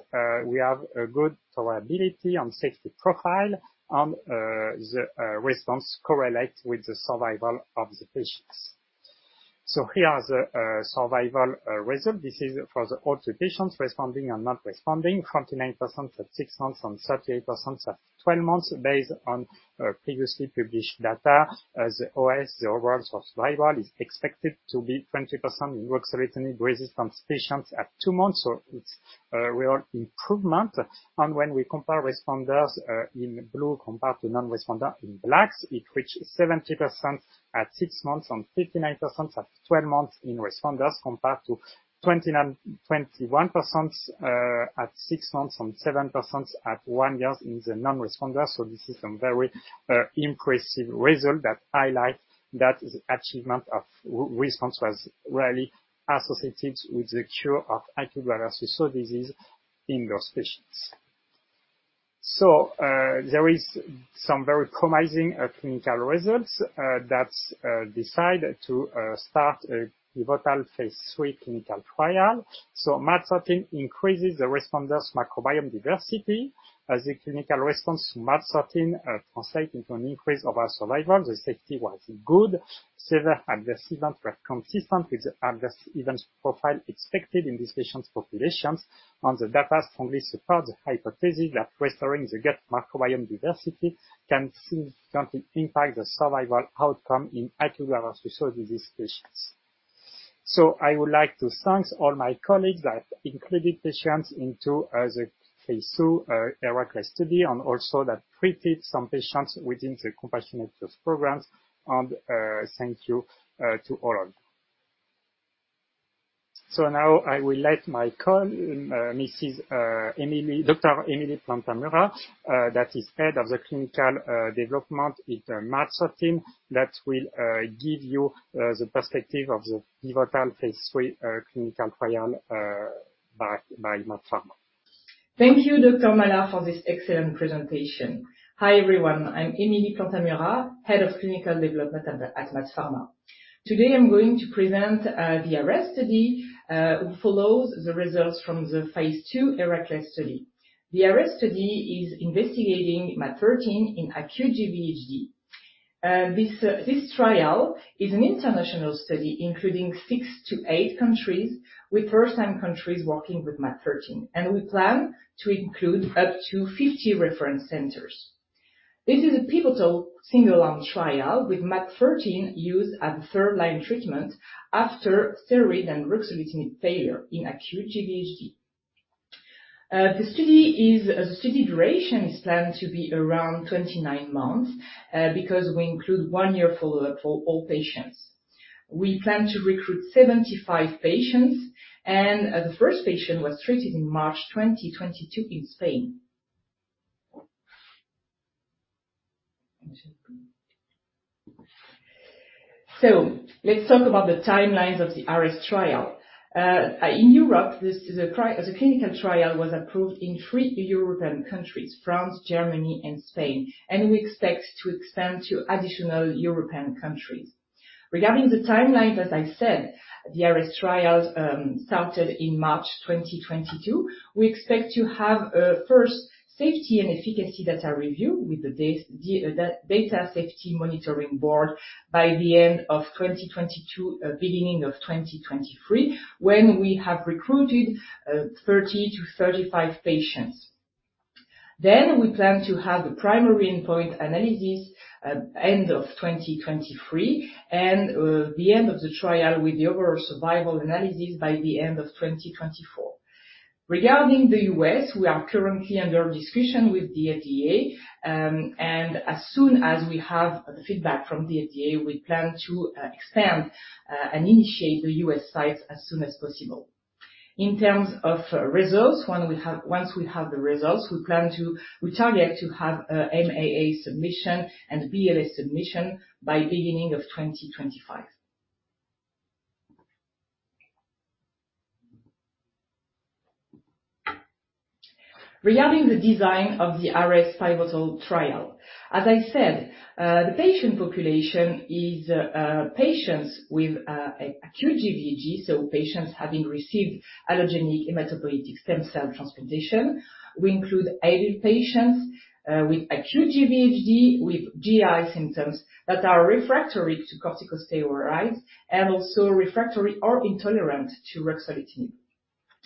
we have a good tolerability and safety profile and the response correlate with the survival of the patients. Here are the survival result. This is for all the patients responding and not responding, 49% at six months and 38% at twelve months, based on previously published data. OS, the overall survival, is expected to be 20% in ruxolitinib-resistant patients at two months. It's a real improvement. When we compare responders in blue compared to non-responder in blacks, it reached 70% at six months and 59% at twelve months in responders compared to 29, 21% at six months, and 7% at one year in the non-responders. This is some very impressive result that highlight that the achievement of response was rarely associated with the cure of acute graft-versus-host disease in those patients. There is some very promising clinical results that led us to decide to start a pivotal phase III clinical trial. MaaT013 increases the responders' microbiome diversity as a clinical response to MaaT013 translates into an increase of survival. The safety was good. Severe adverse events were consistent with the adverse events profile expected in these patient populations. The data strongly supports the hypothesis that restoring the gut microbiome diversity can significantly impact the survival outcome in acute graft-versus-host disease patients. I would like to thank all my colleagues who included patients into the phase II HERACLES study and also who treated some patients within the compassionate use programs. Thank you to all. Now I will let my colleague, Dr. Emilie Plantamura. Emilie Plantamura, that is Head of the Clinical Development with MaaT Pharma, that will give you the perspective of the pivotal phase III clinical trial by MaaT Pharma. Thank you, Dr. Malard, for this excellent presentation. Hi, everyone. I'm Emilie Plantamura, Head of Clinical Development at MaaT Pharma. Today I'm going to present the ARES study, which follows the results from the phase II HERACLES study. The ARES study is investigating MaaT013 in acute GvHD. This trial is an international study, including six to eight countries, with first-time countries working with MaaT013, and we plan to include up to 50 reference centers. This is a pivotal single-arm trial with MaaT013 used as a third-line treatment after steroid and ruxolitinib failure in acute GvHD. Study duration is planned to be around 29 months, because we include one year follow-up for all patients. We plan to recruit 75 patients, and the first patient was treated in March 2022 in Spain. Let's talk about the timelines of the ARES trial. In Europe, the clinical trial was approved in three European countries, France, Germany and Spain, and we expect to expand to additional European countries. Regarding the timeline, as I said, the ARES trial started in March 2022. We expect to have a first safety and efficacy data review with the data safety monitoring board by the end of 2022, beginning of 2023, when we have recruited 30-35 patients. We plan to have a primary endpoint analysis at end of 2023 and the end of the trial with the overall survival analysis by the end of 2024. Regarding the U.S., we are currently under discussion with the FDA, and as soon as we have the feedback from the FDA, we plan to expand and initiate the U.S. sites as soon as possible. In terms of results, once we have the results, we target to have a MAA submission and BLA submission by beginning of 2025. Regarding the design of the ARES pivotal trial. As I said, the patient population is patients with acute GvHD, so patients having received allogeneic hematopoietic stem cell transplantation. We include adult patients with acute GvHD with GI symptoms that are refractory to corticosteroids and also refractory or intolerant to ruxolitinib.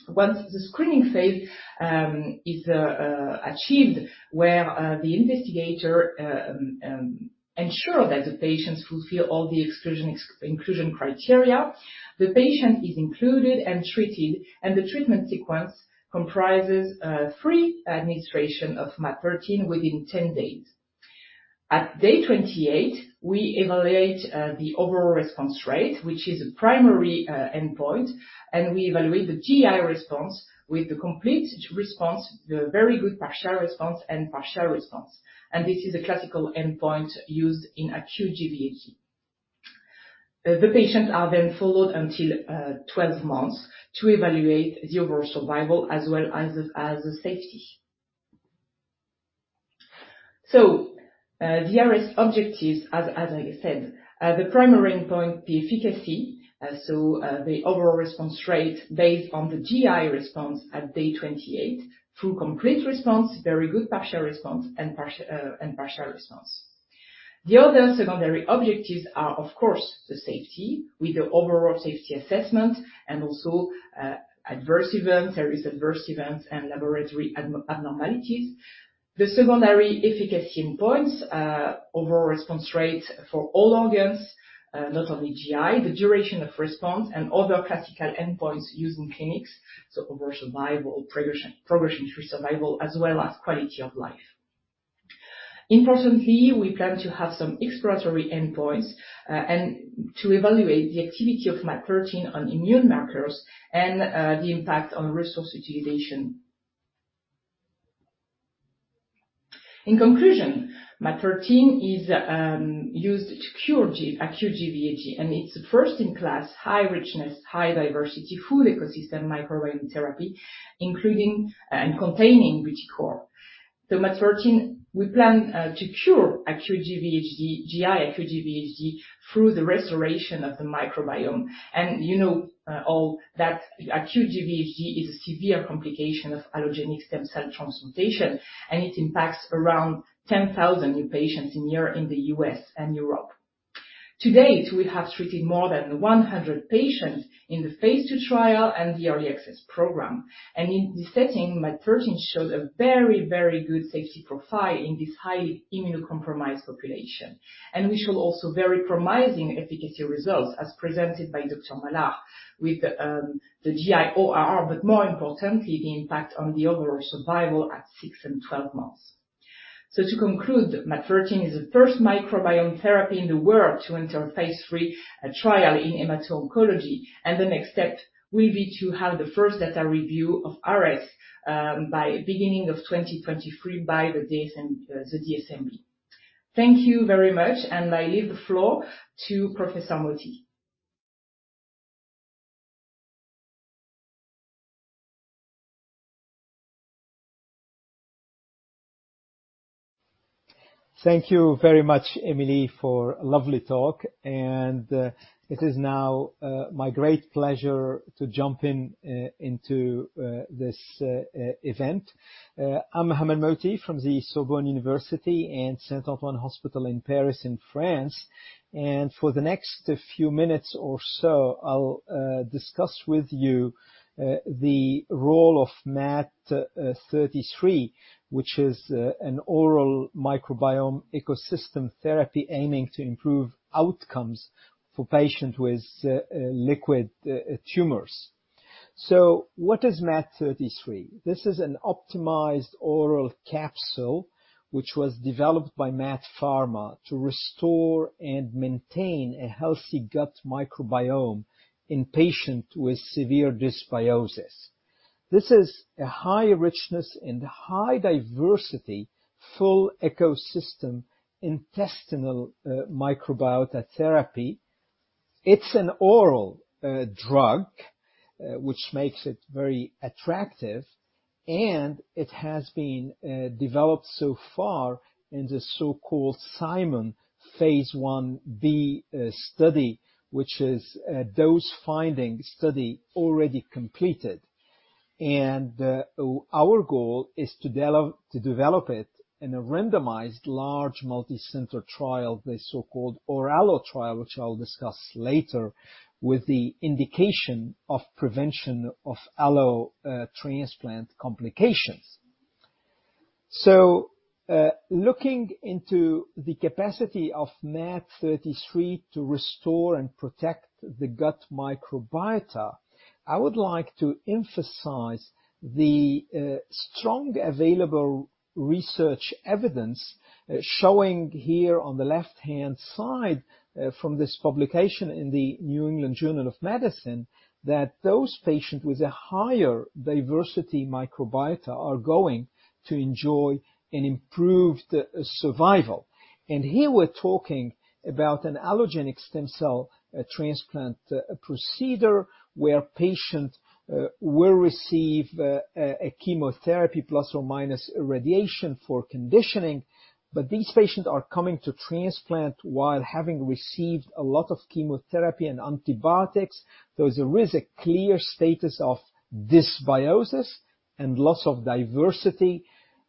Once the screening phase is achieved, where the investigator ensure that the patients fulfill all the exclusion, inclusion criteria, the patient is included and treated, and the treatment sequence comprises three administration of MaaT013 within 10 days. At day 28, we evaluate the overall response rate, which is a primary endpoint, and we evaluate the GI response with the complete response, the very good partial response, and partial response. This is a classical endpoint used in acute GvHD. The patients are then followed until 12 months to evaluate the overall survival as well as the safety. The ARES objectives, as I said, the primary endpoint, the efficacy, the overall response rate based on the GI response at day 28 through complete response, very good partial response, and partial response. The other secondary objectives are, of course, the safety with the overall safety assessment and also, adverse events. There is adverse events and laboratory abnormalities. The secondary efficacy endpoints are overall response rate for all organs, not only GI, the duration of response, and other classical endpoints used in clinics, overall survival, progression-free survival, as well as quality of life. Importantly, we plan to have some exploratory endpoints, and to evaluate the activity of MaaT013 on immune markers and, the impact on resource utilization. In conclusion, MaaT013 is used to cure acute GVHD, and it's a first-in-class, high richness, high diversity, full ecosystem microbiome therapy, including and containing ButyCore. The MaaT013, we plan to cure acute GVHD, GI acute GVHD through the restoration of the microbiome. You know, all that acute GVHD is a severe complication of allogeneic stem cell transplantation, and it impacts around 10,000 new patients in the U.S. and Europe. To date, we have treated more than 100 patients in the phase II trial and the early access program. In this setting, MaaT013 showed a very, very good safety profile in this highly immunocompromised population. We showed also very promising efficacy results as presented by Dr. Malard with the GI ORR, but more importantly, the impact on the overall survival at six and 12 months. To conclude, MaaT013 is the first microbiome therapy in the world to enter a phase III trial in hemato-oncology, and the next step will be to have the first data review of ARES by the beginning of 2023 by the DSMB. Thank you very much, and I leave the floor to Professor Mohamad Mohty. Thank you very much, Emilie, for a lovely talk. It is now my great pleasure to jump into this event. I'm Mohamed Mohty from the Sorbonne University and Saint-Antoine Hospital in Paris in France. For the next few minutes or so, I'll discuss with you the role of MaaT033, which is an oral microbiome ecosystem therapy aiming to improve outcomes for patients with liquid tumors. What is MaaT033? This is an optimized oral capsule which was developed by MaaT Pharma to restore and maintain a healthy gut microbiome in patients with severe dysbiosis. This is a high richness and high diversity, full ecosystem intestinal microbiota therapy. It's an oral drug which makes it very attractive, and it has been developed so far in the so-called CIMON Phase Ib study, which is the study already completed. Our goal is to develop it in a randomized large multi-center trial, the so-called ORALLO trial, which I'll discuss later, with the indication of prevention of allo transplant complications. Looking into the capacity of MaaT033 to restore and protect the gut microbiota, I would like to emphasize the strong available research evidence showing here on the left-hand side from this publication in the New England Journal of Medicine, that those patients with a higher diversity microbiota are going to enjoy an improved survival. Here we're talking about an allogeneic stem cell transplant procedure where patients will receive a chemotherapy plus or minus radiation for conditioning. These patients are coming to transplant while having received a lot of chemotherapy and antibiotics. There is a clear status of dysbiosis and loss of diversity.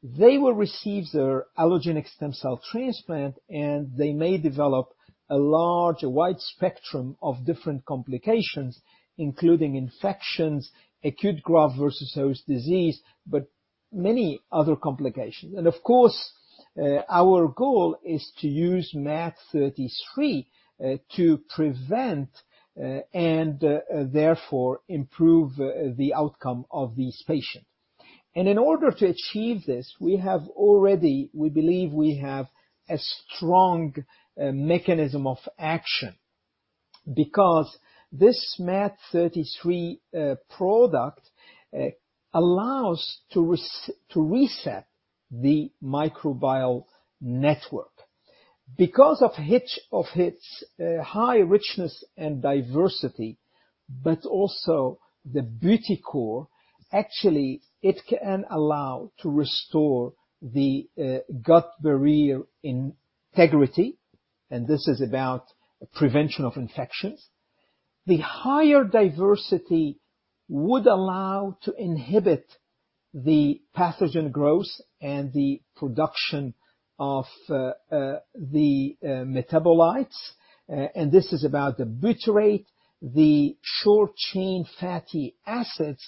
They will receive their allogeneic stem cell transplant, and they may develop a wide spectrum of different complications, including infections, acute graft-versus-host disease, but many other complications. Of course, our goal is to use MaaT033 to prevent and therefore improve the outcome of these patients. In order to achieve this, we believe we have a strong mechanism of action because this MaaT033 product allows to reset the microbiome network. Because of its high richness and diversity, but also the ButyCore, actually it can allow to restore the gut barrier integrity, and this is about prevention of infections. The higher diversity would allow to inhibit the pathogen growth and the production of the metabolites, and this is about the butyrate, the short chain fatty acids.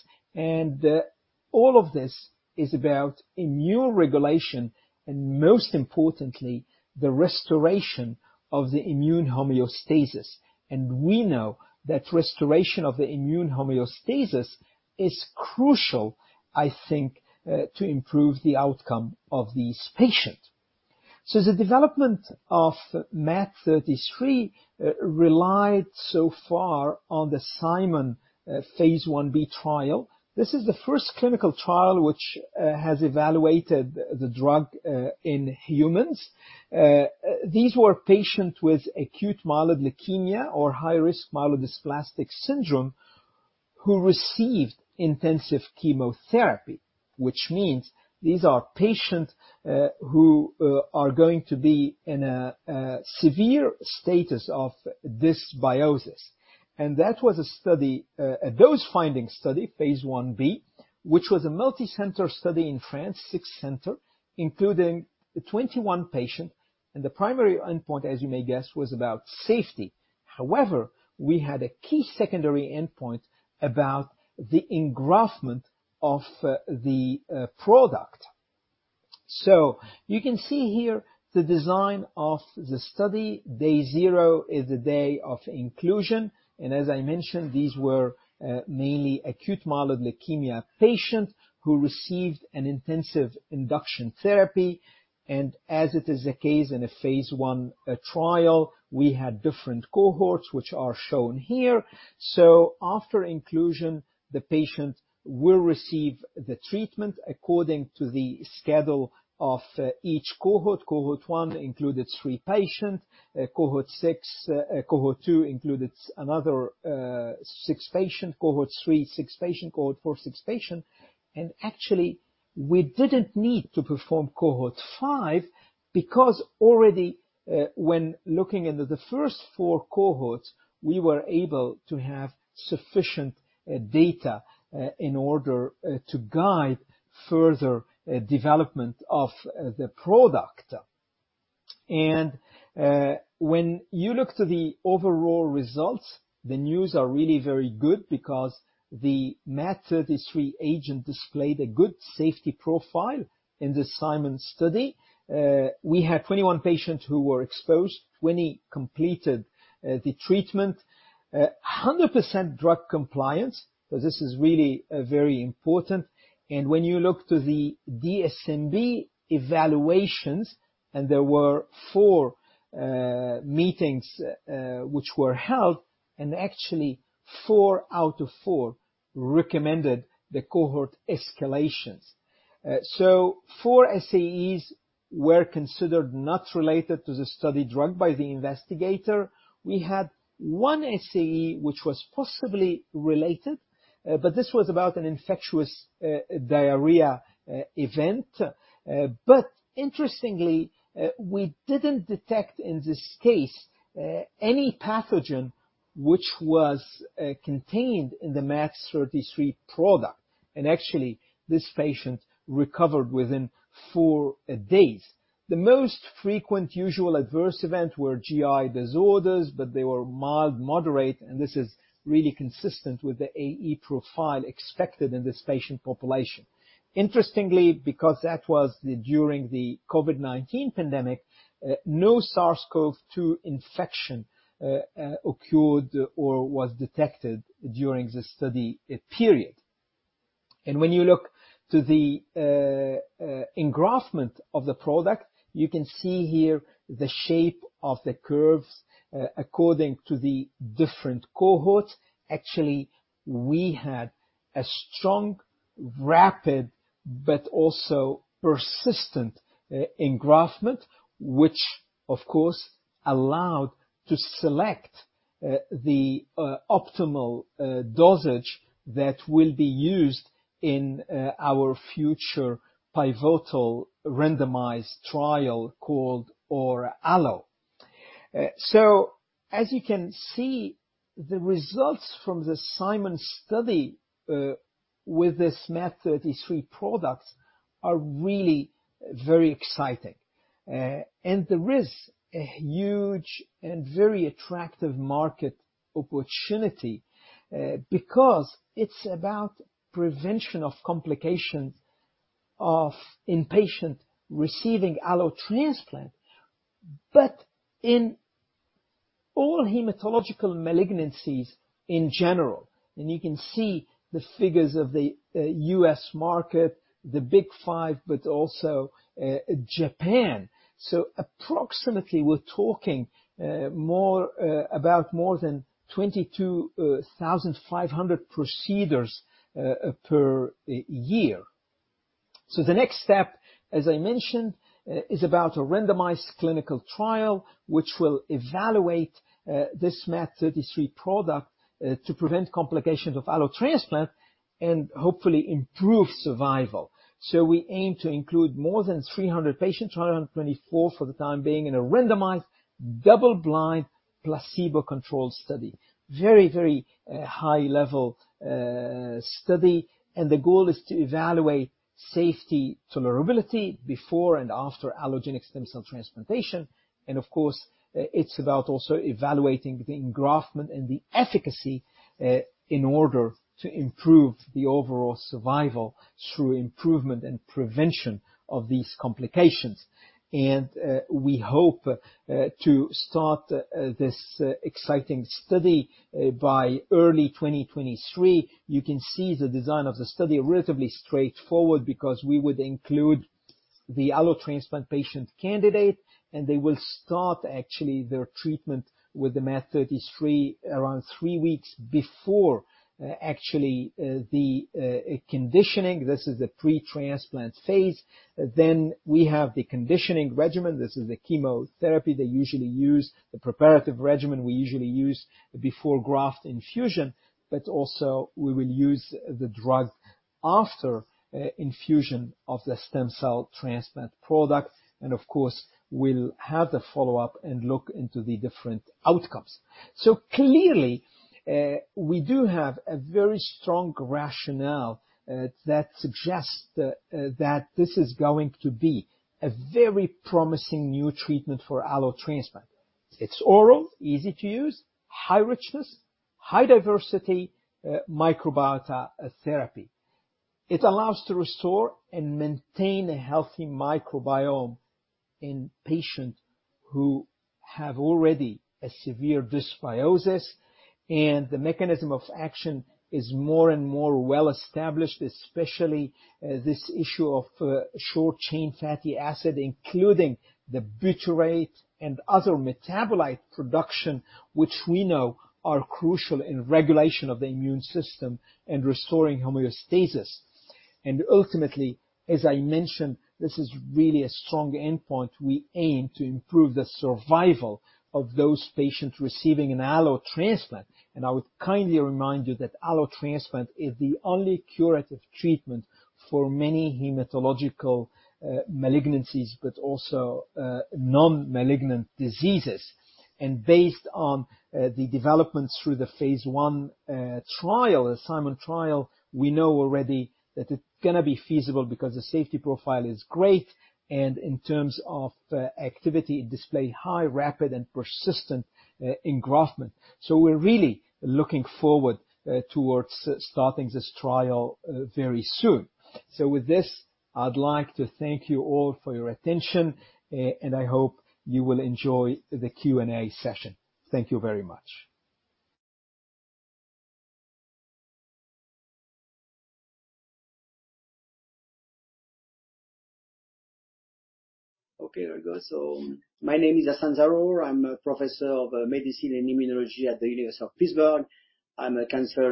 All of this is about immune regulation and most importantly, the restoration of the immune homeostasis. We know that restoration of the immune homeostasis is crucial, I think, to improve the outcome of these patients. So the development of MaaT033 relied so far on the CIMON phase Ib trial. This is the first clinical trial which has evaluated the drug in humans. These were patients with acute myeloid leukemia or high-risk myelodysplastic syndrome who received intensive chemotherapy, which means these are patients who are going to be in a severe status of dysbiosis. That was a study, a dose-finding study, phase Ib, which was a multicenter study in France, six-center, including 21 patients, and the primary endpoint, as you may guess, was about safety. However, we had a key secondary endpoint about the engraftment of the product. You can see here the design of the study. Day zero is the day of inclusion, and as I mentioned, these were mainly acute myeloid leukemia patients who received an intensive induction therapy. As it is the case in a phase I trial, we had different cohorts, which are shown here. After inclusion, the patient will receive the treatment according to the schedule of each cohort. Cohort one included three patients. Cohort two included another six patients. Cohort three, six patients. Cohort four, six patients. Actually, we didn't need to perform cohort five because already, when looking into the first four cohorts, we were able to have sufficient data in order to guide further development of the product. When you look to the overall results, the news are really very good because the MaaT033 agent displayed a good safety profile in the CIMON study. We had 21 patients who were exposed, 20 completed the treatment. 100% drug compliance, so this is really very important. When you look to the DSMB evaluations, there were four meetings which were held, and actually four out of four recommended the cohort escalations. Four SAEs were considered not related to the study drug by the investigator. We had one SAE which was possibly related, but this was about an infectious diarrhea event. But interestingly, we didn't detect, in this case, any pathogen which was contained in the MaaT033 product. Actually, this patient recovered within four days. The most frequent usual adverse event were GI disorders, but they were mild, moderate, and this is really consistent with the AE profile expected in this patient population. Interestingly, because that was during the COVID-19 pandemic, no SARS-CoV-2 infection occurred or was detected during the study period. When you look to the engraftment of the product, you can see here the shape of the curves according to the different cohorts. Actually, we had a strong, rapid, but also persistent engraftment, which of course allowed to select the optimal dosage that will be used in our future pivotal randomized trial called ORALLO. As you can see, the results from the CIMON study with this MaaT033 product are really very exciting. There is a huge and very attractive market opportunity because it's about prevention of complications of in patients receiving allotransplant, but in all hematological malignancies in general, and you can see the figures of the U.S. market, the Big Five, but also Japan. Approximately, we're talking more than 22,500 procedures per year. The next step, as I mentioned, is about a randomized clinical trial, which will evaluate this MaaT033 product to prevent complications of allotransplant and hopefully improve survival. We aim to include more than 300 patients, 224 for the time being, in a randomized, double-blind, placebo-controlled study. Very high level study, and the goal is to evaluate safety tolerability before and after allogeneic stem cell transplantation. We hope to start this exciting study by early 2023. You can see the design of the study, relatively straightforward because we would include. The allo transplant patient candidate, and they will start actually their treatment with the MaaT033 around three weeks before actually the conditioning. This is the pre-transplant phase. We have the conditioning regimen. This is the chemotherapy they usually use. The preparative regimen we usually use before graft infusion, but also we will use the drug after infusion of the stem cell transplant product. Of course, we'll have the follow-up and look into the different outcomes. Clearly, we do have a very strong rationale that suggests that this is going to be a very promising new treatment for allo transplant. It's oral, easy to use, high richness, high diversity microbiota therapy. It allows to restore and maintain a healthy microbiome in patients who have already a severe dysbiosis. The mechanism of action is more and more well established, especially this issue of short chain fatty acid, including the butyrate and other metabolite production, which we know are crucial in regulation of the immune system and restoring homeostasis. Ultimately, as I mentioned, this is really a strong endpoint. We aim to improve the survival of those patients receiving an allo transplant. I would kindly remind you that allo transplant is the only curative treatment for many hematological malignancies, but also non-malignant diseases. Based on the developments through the phase one trial, the CIMON trial, we know already that it's gonna be feasible because the safety profile is great, and in terms of activity, it displayed high, rapid, and persistent engraftment. We're really looking forward towards starting this trial very soon. With this, I'd like to thank you all for your attention, and I hope you will enjoy the Q&A session. Thank you very much. Okay, very good. My name is Hassane Zarour. I'm a professor of medicine and immunology at the University of Pittsburgh. I'm a cancer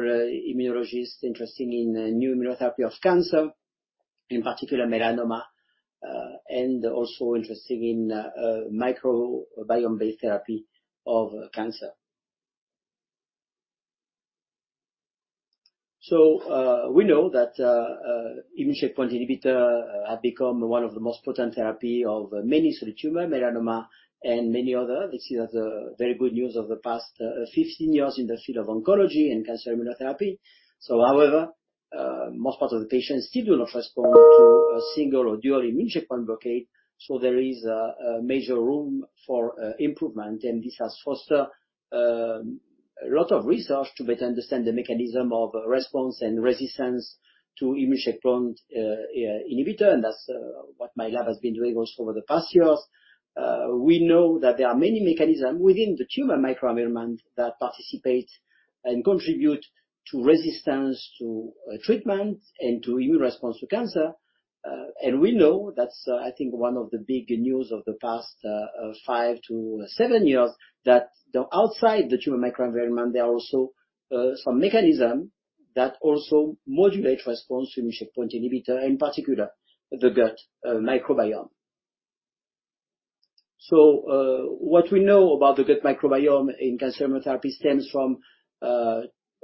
immunologist interested in immunotherapy of cancer, in particular melanoma, and also interested in microbiome-based therapy of cancer. We know that immune checkpoint inhibitor have become one of the most potent therapy of many solid tumor, melanoma, and many other. This is very good news of the past 15 years in the field of oncology and cancer immunotherapy. However, most part of the patients still do not respond to a single or dual immune checkpoint blockade. There is a major room for improvement. This has fostered a lot of research to better understand the mechanism of response and resistance to immune checkpoint inhibitor. That's what my lab has been doing also over the past years. We know that there are many mechanisms within the tumor microenvironment that participate and contribute to resistance to treatment and to immune response to cancer. We know that is, I think one of the big news of the past five to seven years, that outside the tumor microenvironment, there are also some mechanisms that also modulate response to immune checkpoint inhibitor, in particular the gut microbiome. What we know about the gut microbiome in cancer immunotherapy stems from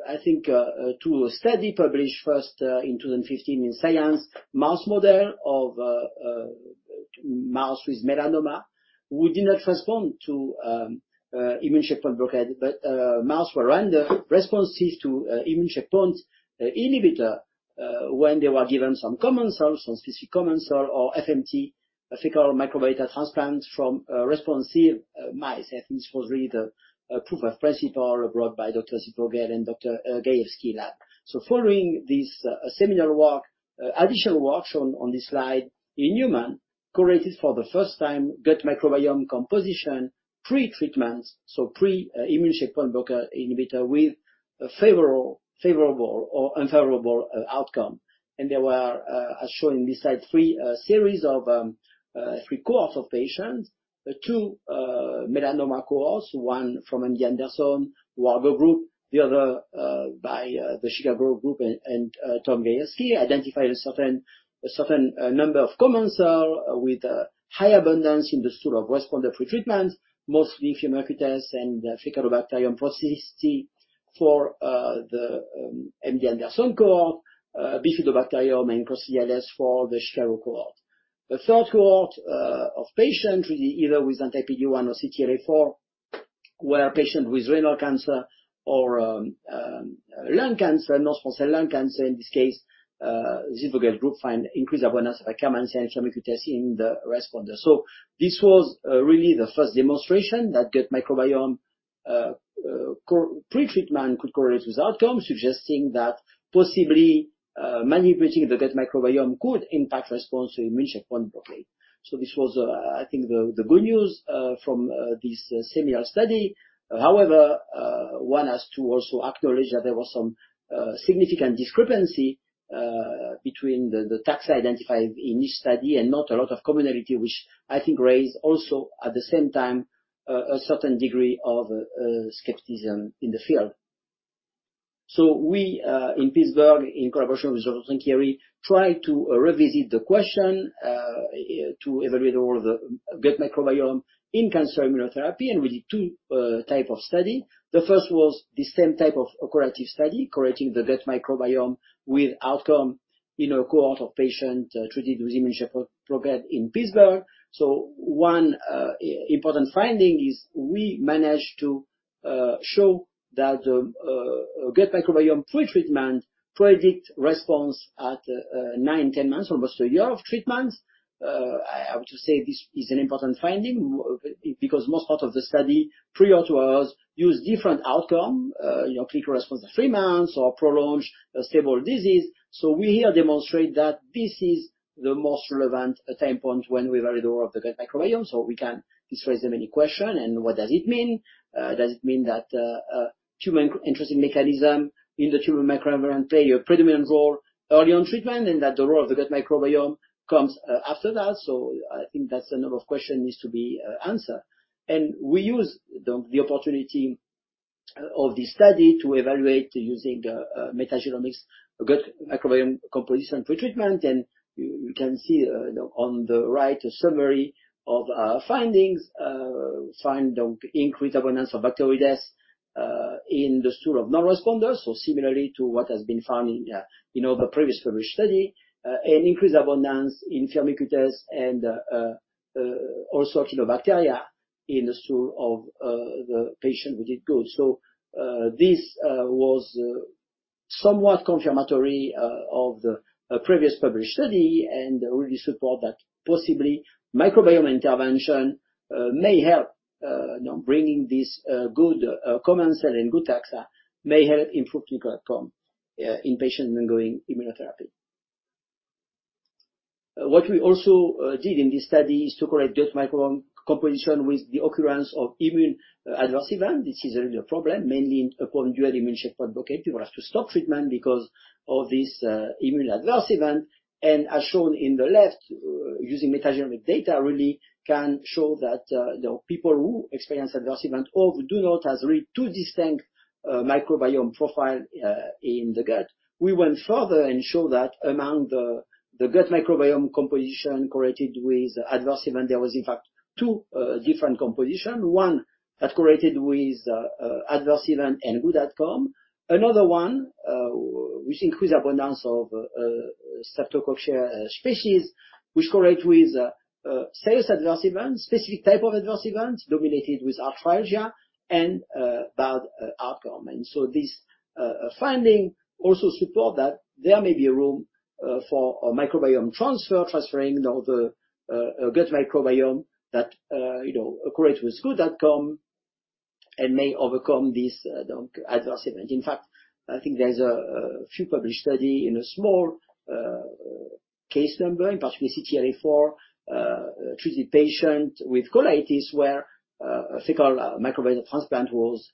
a study published first in 2015 in Science mouse model of a mouse with melanoma who did not respond to immune checkpoint blockade. Mice responded to immune checkpoint inhibitors when they were given specific commensals or FMT, fecal microbiota transplant from responsive mice. I think this was really the proof of principle brought by Dr. Zitvogel and Dr. Gajewski lab. Following this, similar additional work shown on this slide in humans correlated for the first time gut microbiome composition, pre-treatment, so pre-immune checkpoint inhibitor with a favorable or unfavorable outcome. There were, as shown in this slide, three series of three cohorts of patients. Two melanoma cohorts, one from MD Anderson, Wargo group, the other by the Chicago group and Tom Gajewski, identified a certain number of commensal with a high abundance in the stool of responder pre-treatment, mostly Eubacterium and Faecalibacterium prausnitzii for the MD Anderson cohort, Bifidobacterium and Collinsella for the Chicago cohort. The third cohort of patients with either anti-PD-1 or CTLA-4 were patients with renal cancer or lung cancer, non-small cell lung cancer in this case. Zitvogel group find increased abundance of Akkermansia and Eubacterium in the responder. This was really the first demonstration that gut microbiome pre-treatment could correlate with outcome, suggesting that possibly manipulating the gut microbiome could impact response to immune checkpoint blockade. This was, I think, the good news from this seminal study. However, one has to also acknowledge that there was some significant discrepancy between the taxa identified in each study, and not a lot of commonality, which I think raised also, at the same time, a certain degree of skepticism in the field. We in Pittsburgh, in collaboration with Hassane Zarour, tried to revisit the question to evaluate all the gut microbiome in cancer immunotherapy, and we did two type of study. The first was the same type of correlative study, correlating the gut microbiome with outcome in a cohort of patients, treated with immune checkpoint blockade in Pittsburgh. One important finding is we managed to show that the gut microbiome pretreatment predict response at nine, 10 months, almost a year of treatment. I have to say this is an important finding because most part of the study prior to us used different outcome, you know, clinical response at three months or prolonged stable disease. We here demonstrate that this is the most relevant time point when we evaluate the gut microbiome, so we can dismiss the many question and what does it mean. Does it mean that interesting mechanisms in the tumor microenvironment play a predominant role early on treatment, and that the role of the gut microbiome comes after that. I think that's a number of questions needs to be answered. We use the opportunity of this study to evaluate using metagenomics gut microbiome composition pretreatment. You can see on the right a summary of findings, the increased abundance of Bacteroides in the stool of non-responders. Similarly to what has been found in all the previous published studies. An increased abundance in Firmicutes and also Actinobacteria in the stool of the patient we did good. This was somewhat confirmatory of the previous published study and really support that possibly microbiome intervention may help bringing this good commensal and good taxa may help improve clinical outcome in patients undergoing immunotherapy. What we also did in this study is to correlate gut microbiome composition with the occurrence of immune adverse event. This is really a problem, mainly upon dual immune checkpoint blockade. People have to stop treatment because of this immune adverse event. As shown in the left, using metagenomic data really can show that the people who experience adverse event or who do not has really two distinct microbiome profile in the gut. We went further and show that among the gut microbiome composition correlated with adverse event, there was in fact two different composition. One that correlated with adverse event and good outcome. Another one, which increased abundance of Streptococcus species, which correlate with serious adverse events, specific type of adverse events dominated with arthralgia and bad outcome. This finding also support that there may be a room for a microbiome transfer, transferring the gut microbiome that you know correlate with good outcome and may overcome this adverse event. In fact, I think there's a few published study in a small case number, in particular CTLA-4 treated patient with colitis, where a fecal microbiome transplant was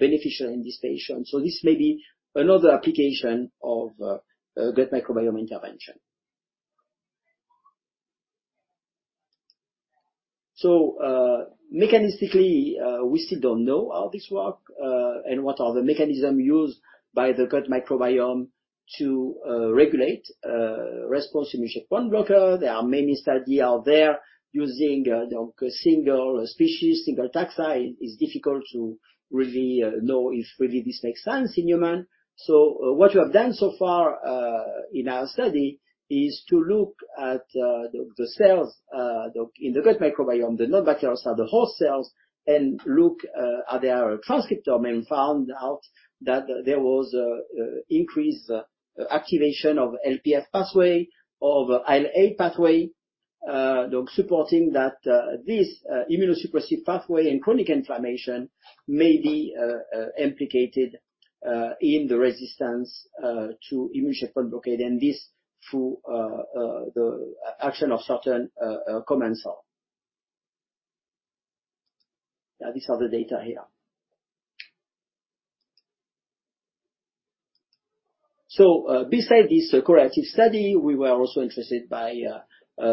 beneficial in this patient. This may be another application of gut microbiome intervention. Mechanistically, we still don't know how this works, and what are the mechanisms used by the gut microbiome to regulate response to immune checkpoint blocker. There are many studies out there using, you know, single species, single taxa. It is difficult to really know if really this makes sense in humans. What we have done so far in our study is to look at the cells in the gut microbiome, the non-bacterials or the host cells, and look at their transcriptome, and found out that there was increased activation of LPS pathway, of IL-8 pathway, you know, supporting that this immunosuppressive pathway and chronic inflammation may be implicated in the resistance to immune checkpoint blockade, and this through the action of certain commensal. These are the data here. Besides this correlative study, we were also interested by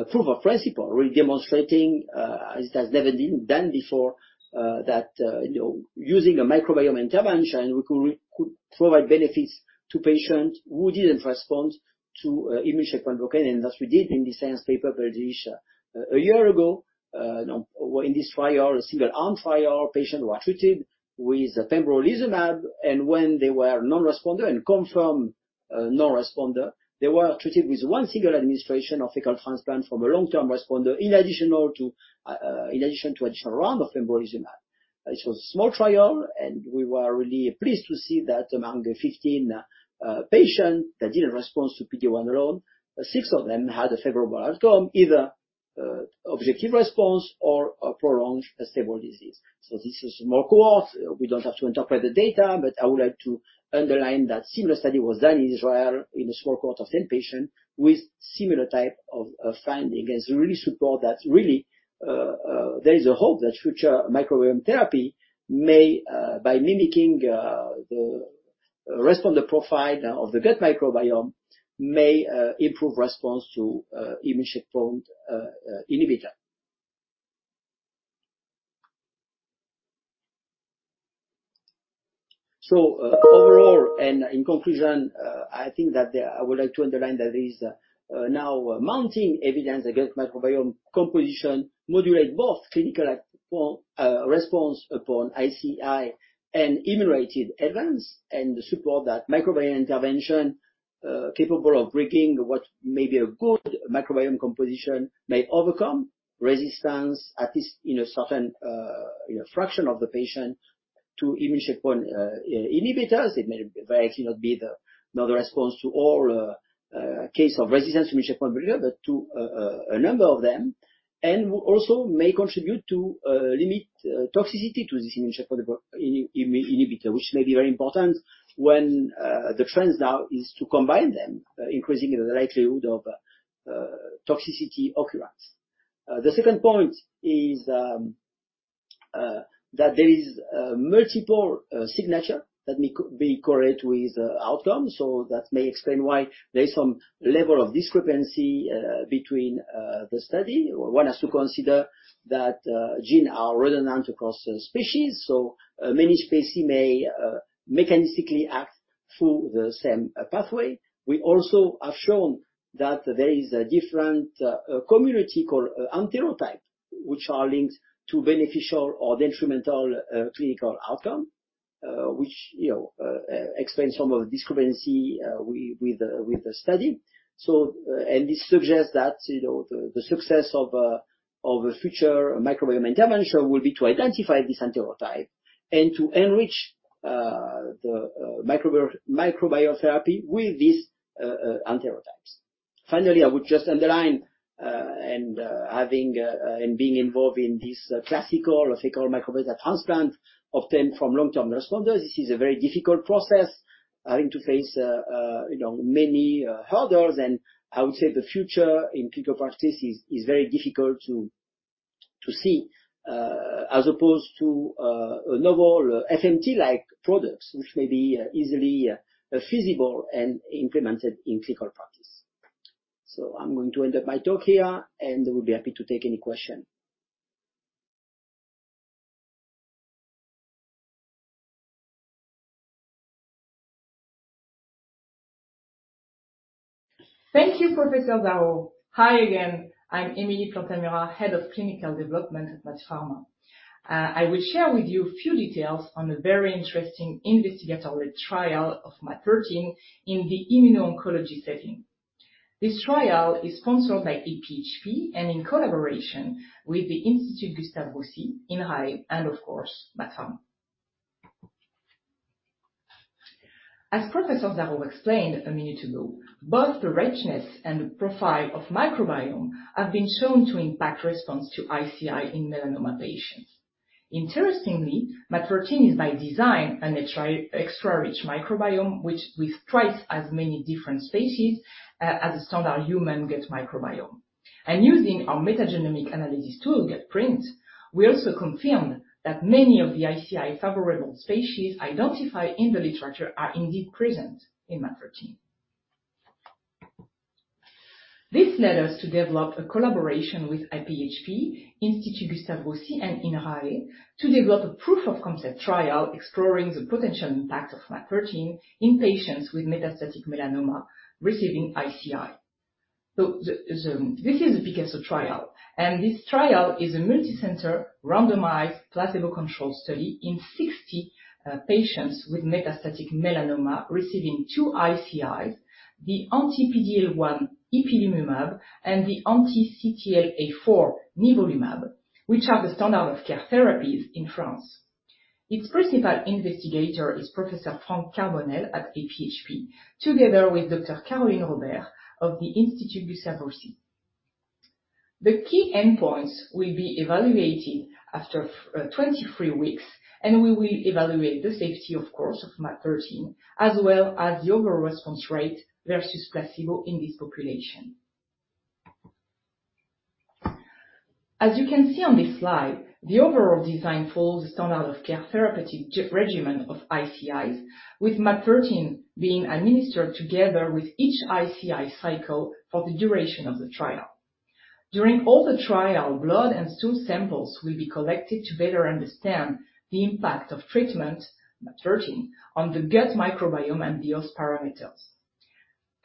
proof of principle, really demonstrating, as it has never been done before, that you know, using a microbiome intervention, we could provide benefits to patients who didn't respond to immune checkpoint blockade. That's what we did in this Science paper published a year ago. You know, in this trial, a single-arm trial, patients were treated with pembrolizumab, and when they were non-responder and confirmed non-responder, they were treated with one single administration of fecal transplant from a long-term responder in addition to additional round of pembrolizumab. This was a small trial, and we were really pleased to see that among the 15 patient that didn't respond to PD-1 alone, six of them had a favorable outcome, either objective response or prolonged stable disease. This is more cohort. We don't have to interpret the data, but I would like to underline that similar study was done in Israel in a small cohort of 10 patients with similar type of finding. It really supports that there is a hope that future microbiome therapy may, by mimicking, the responder profile now of the gut microbiome may, improve response to, immune checkpoint, inhibitor. Overall and in conclusion, I think I would like to underline that there is now mounting evidence that gut microbiome composition modulate both clinical response upon ICI and immunogenic events, and support that microbiome intervention capable of breaking what may be a good microbiome composition, may overcome resistance, at least in a certain fraction of the patient to immune checkpoint inhibitors. It may very actually not be the response to all case of resistance immune checkpoint inhibitor, but to a number of them. Will also may contribute to limit toxicity to this immune checkpoint inhibitor, which may be very important when the trends now is to combine them, increasing the likelihood of toxicity occurrence. The second point is that there is multiple signature that may be correlate with the outcomes. That may explain why there is some level of discrepancy between the study. One has to consider that gene are relevant across the species. Many species may mechanistically act through the same pathway. We also have shown that there is a different community called enterotype, which are linked to beneficial or detrimental clinical outcome, which, you know, explain some of the discrepancy with the study. This suggests that, you know, the success of a future microbiome intervention will be to identify this enterotype and to enrich the microbiome therapy with these enterotypes. Finally, I would just underline having and being involved in this classical fecal microbiota transplant obtained from long-term responders, this is a very difficult process you face, you know, many hurdles. I would say the future in clinical practice is very difficult to see as opposed to a novel FMT-like products which may be easily feasible and implemented in clinical practice. I'm going to wrap up my talk here, and I will be happy to take any question. Thank you, Professor Zarour. Hi again. I'm Emilie Plantamura, Head of Clinical Development at MaaT Pharma. I will share with you a few details on the very interesting investigator led trial of MaaT013 in the immuno-oncology setting. This trial is sponsored by AP-HP and in collaboration with the Institut Gustave Roussy, INRAE, and of course, MaaT Pharma. As Professor Zarour explained a minute ago, both the richness and the profile of microbiome have been shown to impact response to ICI in melanoma patients. Interestingly, MaaT013 is by design an extra rich microbiome, which with thrice as many different species, as a standard human gut microbiome. Using our metagenomic analysis tool, gutPrint®, we also confirmed that many of the ICI favorable species identified in the literature are indeed present in MaaT013. This led us to develop a collaboration with AP-HP, Institut Gustave Roussy and INRAE to develop a proof of concept trial exploring the potential impact of MaaT013 in patients with metastatic melanoma receiving ICI. This is a PICASSO trial, and this trial is a multicenter randomized placebo-controlled study in 60 patients with metastatic melanoma receiving two ICIs, the anti-CTLA-4 ipilimumab and the anti-PD-1 nivolumab, which are the standard of care therapies in France. Its principal investigator is Professor Franck Carbonnel at AP-HP, together with Dr. Caroline Robert of the Institut Gustave Roussy. The key endpoints will be evaluated after 23 weeks, and we will evaluate the safety, of course, of MaaT013, as well as the overall response rate versus placebo in this population. As you can see on this slide, the overall design follows the standard of care therapeutic regimen of ICIs, with MaaT013 being administered together with each ICI cycle for the duration of the trial. During all the trial, blood and stool samples will be collected to better understand the impact of treatment, MaaT013, on the gut microbiome and bios parameters.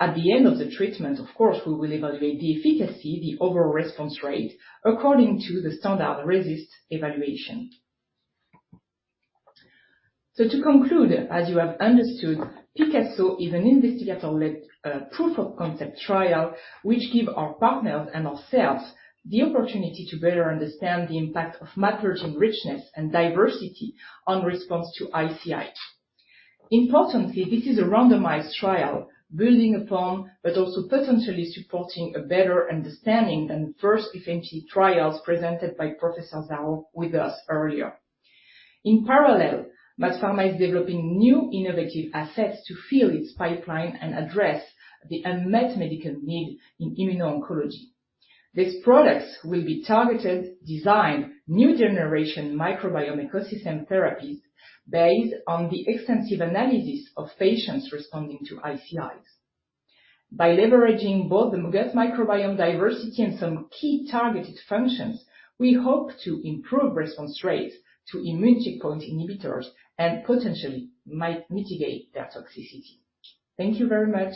At the end of the treatment, of course, we will evaluate the efficacy, the overall response rate according to the standard RECIST evaluation. To conclude, as you have understood, PICASSO is an investigator-led, proof of concept trial, which give our partners and ourselves the opportunity to better understand the impact of MaaT013 richness and diversity on response to ICI. Importantly, this is a randomized trial building upon, but also potentially supporting a better understanding than first FMT trials presented by Professor Zarour with us earlier. In parallel, MaaT Pharma is developing new innovative assets to fill its pipeline and address the unmet medical need in immuno-oncology. These products will be targeted, designed new generation microbiome ecosystem therapies based on the extensive analysis of patients responding to ICIs. By leveraging both the gut microbiome diversity and some key targeted functions, we hope to improve response rates to immune checkpoint inhibitors and potentially might mitigate their toxicity. Thank you very much.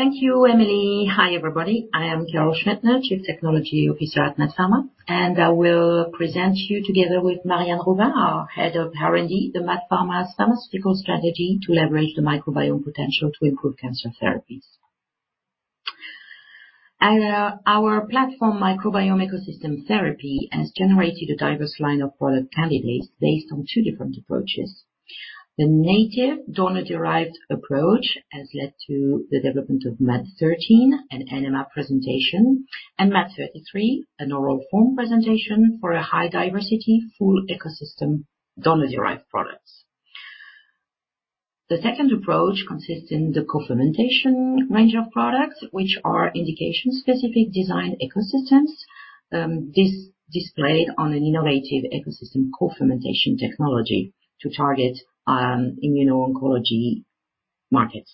Thank you, Emilie. Hi, everybody. I am Carole Schwintner, Chief Technology Officer at MaaT Pharma, and I will present you together with Marianne Robin, our Head of R&D, the MaaT Pharma pharmaceutical strategy to leverage the microbiome potential to improve cancer therapies. Our platform microbiome ecosystem therapy has generated a diverse line of product candidates based on two different approaches. The native donor-derived approach has led to the development of MaaT013, an enema presentation, and MaaT033, an oral form presentation for a high diversity, full ecosystem donor-derived products. The second approach consists in the co-fermentation range of products, which are indication-specific design ecosystems, designed on an innovative ecosystem co-fermentation technology to target immuno-oncology markets.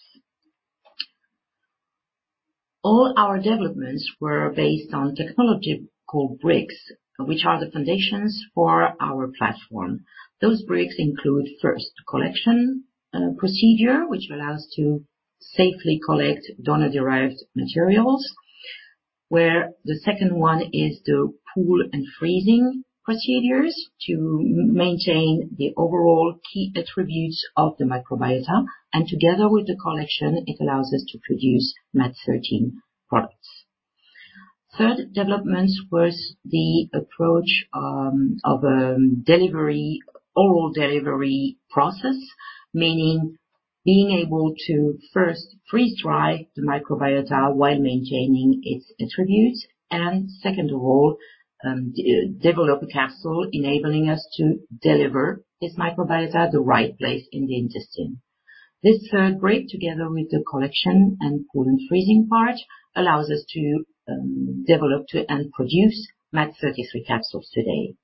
All our developments were based on technology called bricks, which are the foundations for our platform. Those bricks include first collection procedure, which allows to safely collect donor-derived materials, where the second one is the pool and freezing procedures to maintain the overall key attributes of the microbiota, and together with the collection, it allows us to produce MaaT013 products. Third development was the approach of delivery, oral delivery process, meaning being able to first freeze-dry the microbiota while maintaining its attributes, and second of all, develop a capsule enabling us to deliver this microbiota at the right place in the intestine. This third brick, together with the collection and pool and freezing part, allows us to develop to and produce MaaT033 capsules today.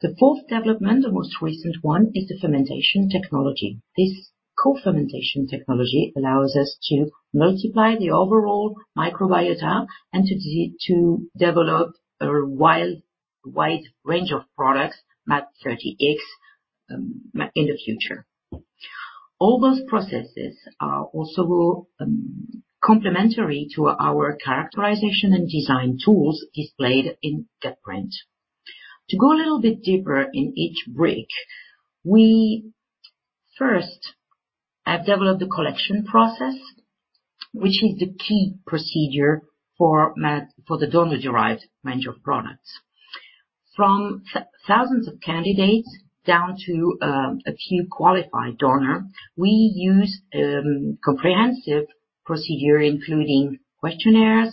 The fourth development, the most recent one, is the fermentation technology. This co-fermentation technology allows us to multiply the overall microbiota and to develop a wide range of products, MaaT 38, MaaT in the future. All those processes are also complementary to our characterization and design tools displayed in gutPrint. To go a little bit deeper in each area, we first have developed the collection process, which is the key procedure for MaaT, for the donor-derived range of products. From thousands of candidates down to a few qualified donors, we use comprehensive procedure including questionnaires,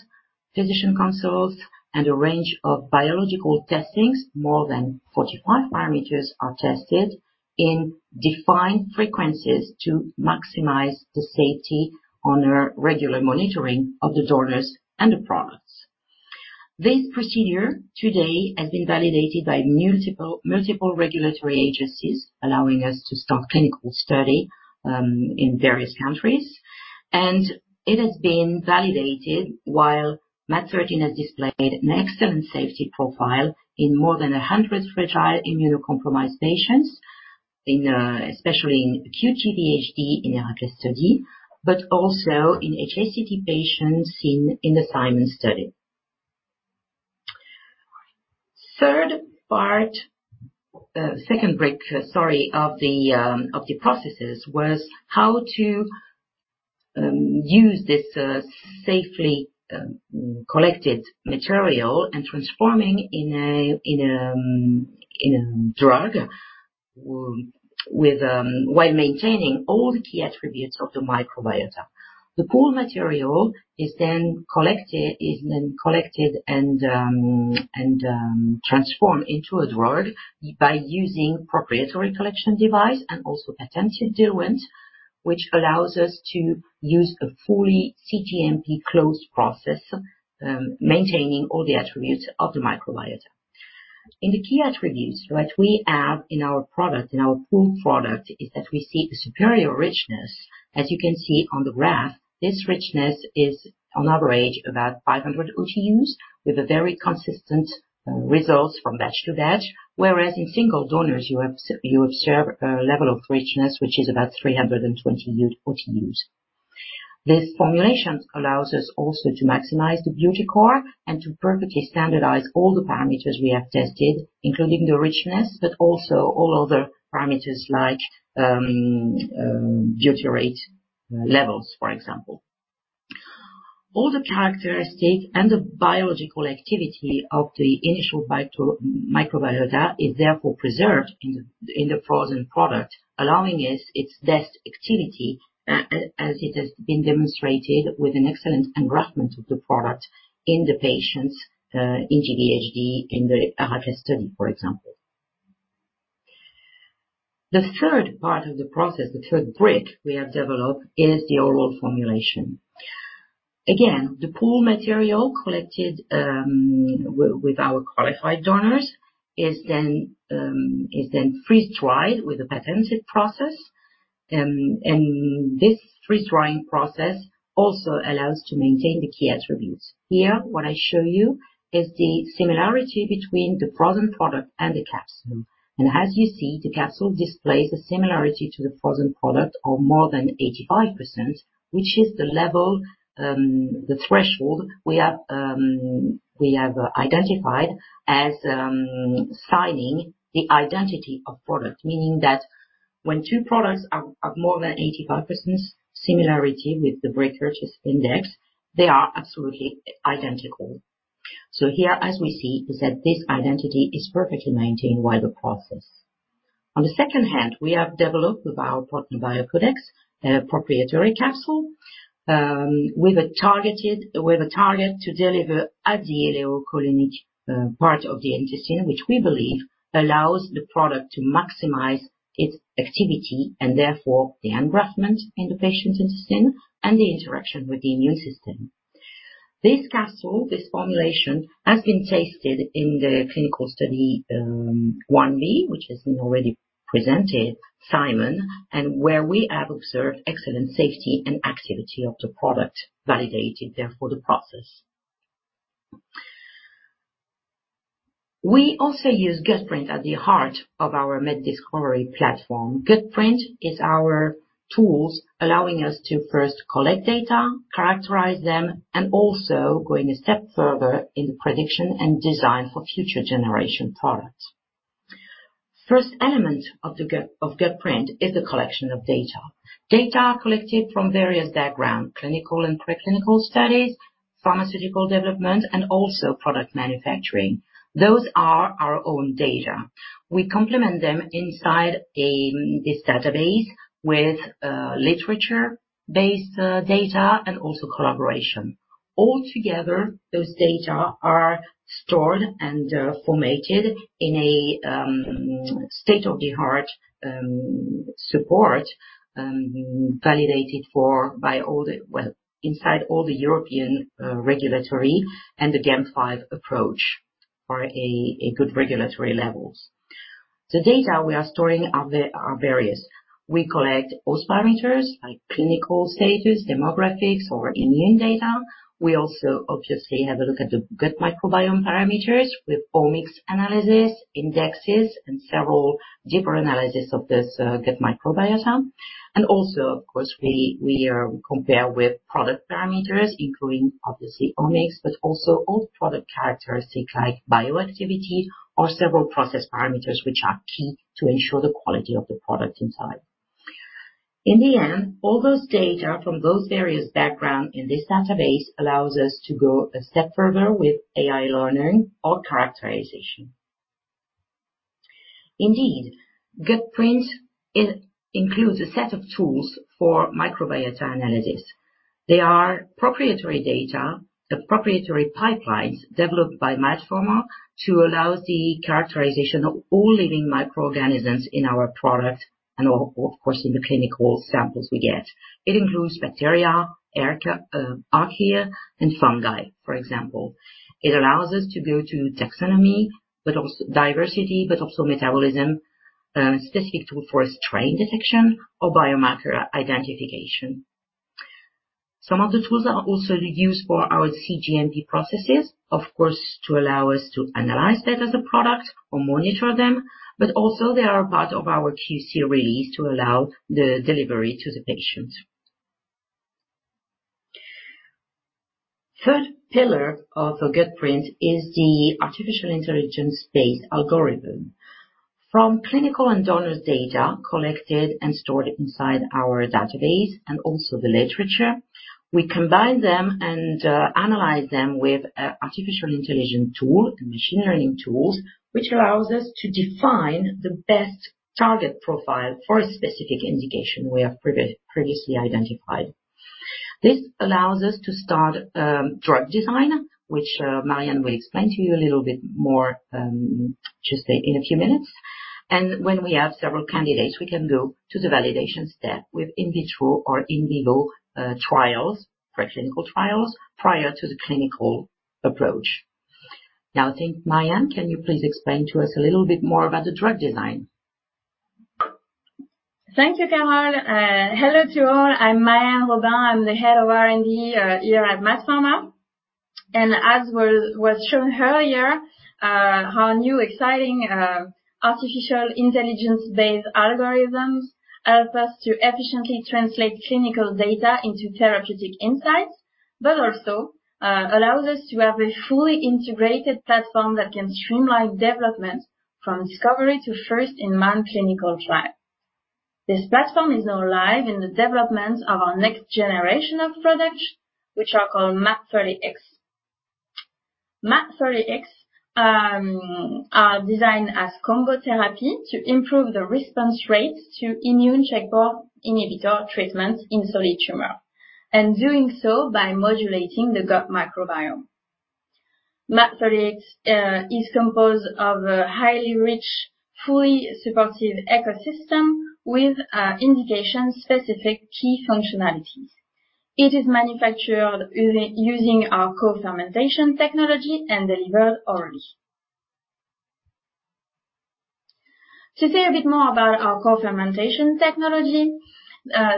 physician consults, and a range of biological tests. More than 45 parameters are tested in defined frequencies to maximize the safety on our regular monitoring of the donors and the products. This procedure today has been validated by multiple regulatory agencies, allowing us to start clinical studies in various countries. It has been validated while MaaT013 has displayed an excellent safety profile in more than 100 fragile immunocompromised patients, especially in aGVHD in the HERACLES study, but also in HSCT patients in the CIMON study. The second part of the processes was how to use this safely collected material and transforming into a drug while maintaining all the key attributes of the microbiota. The pooled material is then collected and transformed into a drug by using proprietary collection device and also patented diluent, which allows us to use a fully cGMP closed process, maintaining all the attributes of the microbiota. In the key attributes what we have in our product, in our pool product, is that we see a superior richness. As you can see on the graph, this richness is on average about 500 OTUs with a very consistent results from batch to batch, whereas in single donors you observe a level of richness which is about 320 OTUs. This formulation allows us also to maximize the ButyCore and to perfectly standardize all the parameters we have tested, including the richness, but also all other parameters like butyrate levels, for example. All the characteristics and the biological activity of the initial bacterial microbiota is therefore preserved in the frozen product, allowing us its best activity, as it has been demonstrated with an excellent engraftment of the product in the patients, in aGVHD, in the HERACLES study, for example. The third part of the process, the third brick we have developed is the oral formulation. Again, the pool material collected with our qualified donors is then freeze-dried with a patented process. This freeze-drying process also allows to maintain the key attributes. Here, what I show you is the similarity between the frozen product and the capsule. As you see, the capsule displays a similarity to the frozen product of more than 85%, which is the level, the threshold we have identified as signing the identity of product. Meaning that when two products are more than 85% similarity with the Bray-Curtis index, they are absolutely identical. Here, as we see, this identity is perfectly maintained by the process. On the other hand, we have developed with our partner, Biocodex, a proprietary capsule with a target to deliver ideally to the colonic part of the intestine, which we believe allows the product to maximize its activity and therefore the engraftment in the patient's intestine and the interaction with the immune system. This capsule, this formulation, has been tested in the clinical study Ib, which has been already presented, CIMON, and where we have observed excellent safety and activity of the product, validating therefore the process. We also use GutPrint at the heart of our MET discovery platform. GutPrint is our tools allowing us to first collect data, characterize them, and also going a step further in the prediction and design for future generation products. First element of GutPrint is the collection of data. Data collected from various background: clinical and preclinical studies, pharmaceutical development, and also product manufacturing. Those are our own data. We complement them inside this database with literature-based data and also collaboration. All together, those data are stored and formatted in a state-of-the-art support validated for by all the. Well, inside all the European regulatory and the GAMP five approach for a good regulatory levels. The data we are storing are various. We collect host parameters like clinical status, demographics, or immune data. We also obviously have a look at the gut microbiome parameters with omics analysis, indexes, and several deeper analysis of this gut microbiota. Of course, we compare with product parameters, including obviously omics, but also all product characteristics like bioactivity or several process parameters which are key to ensure the quality of the product inside. In the end, all those data from those various background in this database allows us to go a step further with AI learning or characterization. Indeed, gutPrint includes a set of tools for microbiota analysis. They are proprietary data, proprietary pipelines developed by MaaT Pharma to allow the characterization of all living microorganisms in our product and of course, in the clinical samples we get. It includes bacteria, archaea, and fungi, for example. It allows us to go to taxonomy, but also diversity, but also metabolism, specific tool for strain detection or biomarker identification. Some of the tools are also used for our cGMP processes. Of course, to allow us to analyze data as a product or monitor them, but also they are part of our QC release to allow the delivery to the patient. Third pillar of the gutPrint is the artificial intelligence-based algorithm. From clinical and donors data collected and stored inside our database, and also the literature, we combine them and analyze them with an artificial intelligence tool, the machine learning tools, which allows us to define the best target profile for a specific indication we have previously identified. This allows us to start drug design, which Marianne will explain to you a little bit more, she'll say in a few minutes. When we have several candidates, we can go to the validation step with in vitro or in vivo trials, preclinical trials, prior to the clinical approach. Now, I think, Marianne, can you please explain to us a little bit more about the drug design? Thank you, Carole. Hello to all. I'm Marianne Robin. I'm the head of R&D here at MaaT Pharma. As was shown earlier, our new exciting artificial intelligence-based algorithms help us to efficiently translate clinical data into therapeutic insights, but also allows us to have a fully integrated platform that can streamline development from discovery to first-in-man clinical trial. This platform is now live in the developments of our next generation of products, which are called MaaT03X. MaaT03X are designed as combo therapy to improve the response rates to immune checkpoint inhibitor treatments in solid tumor, and doing so by modulating the gut microbiome. MaaT03X is composed of a highly rich, fully supportive ecosystem with indication-specific key functionalities. It is manufactured using our co-fermentation technology and delivered orally. To say a bit more about our co-fermentation technology,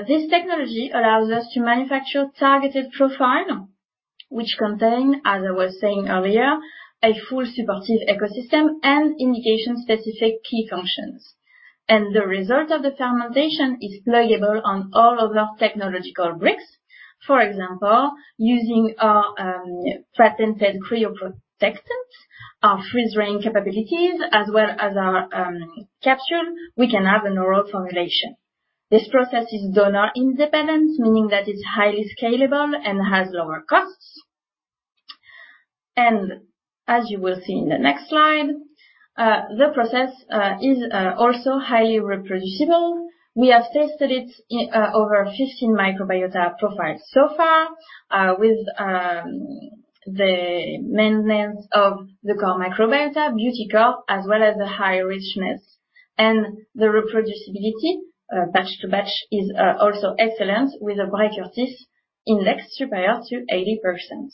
this technology allows us to manufacture targeted profile which contain, as I was saying earlier, a full supportive ecosystem and indication-specific key functions. The result of the fermentation is pluggable on all of our technological bricks. For example, using our patented cryoprotectants, our freeze drying capabilities, as well as our capsule, we can have an oral formulation. This process is donor-independent, meaning that it's highly scalable and has lower costs. As you will see in the next slide, the process is also highly reproducible. We have tested it over 15 microbiota profiles so far, with the maintenance of the core microbiota ButyCore, as well as the high richness. The reproducibility batch to batch is also excellent with a Bray-Curtis index superior to 80%.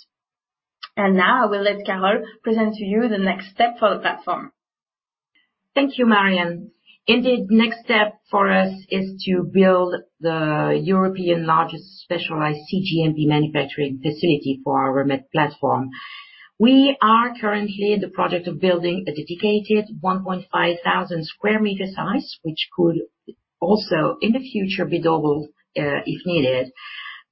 Now I will let Carole present to you the next step for the platform. Thank you, Marion. Indeed, next step for us is to build the European largest specialized cGMP manufacturing facility for our MaaT platform. We are currently in the project of building a dedicated 1,500 sq m size, which could also in the future be doubled, if needed.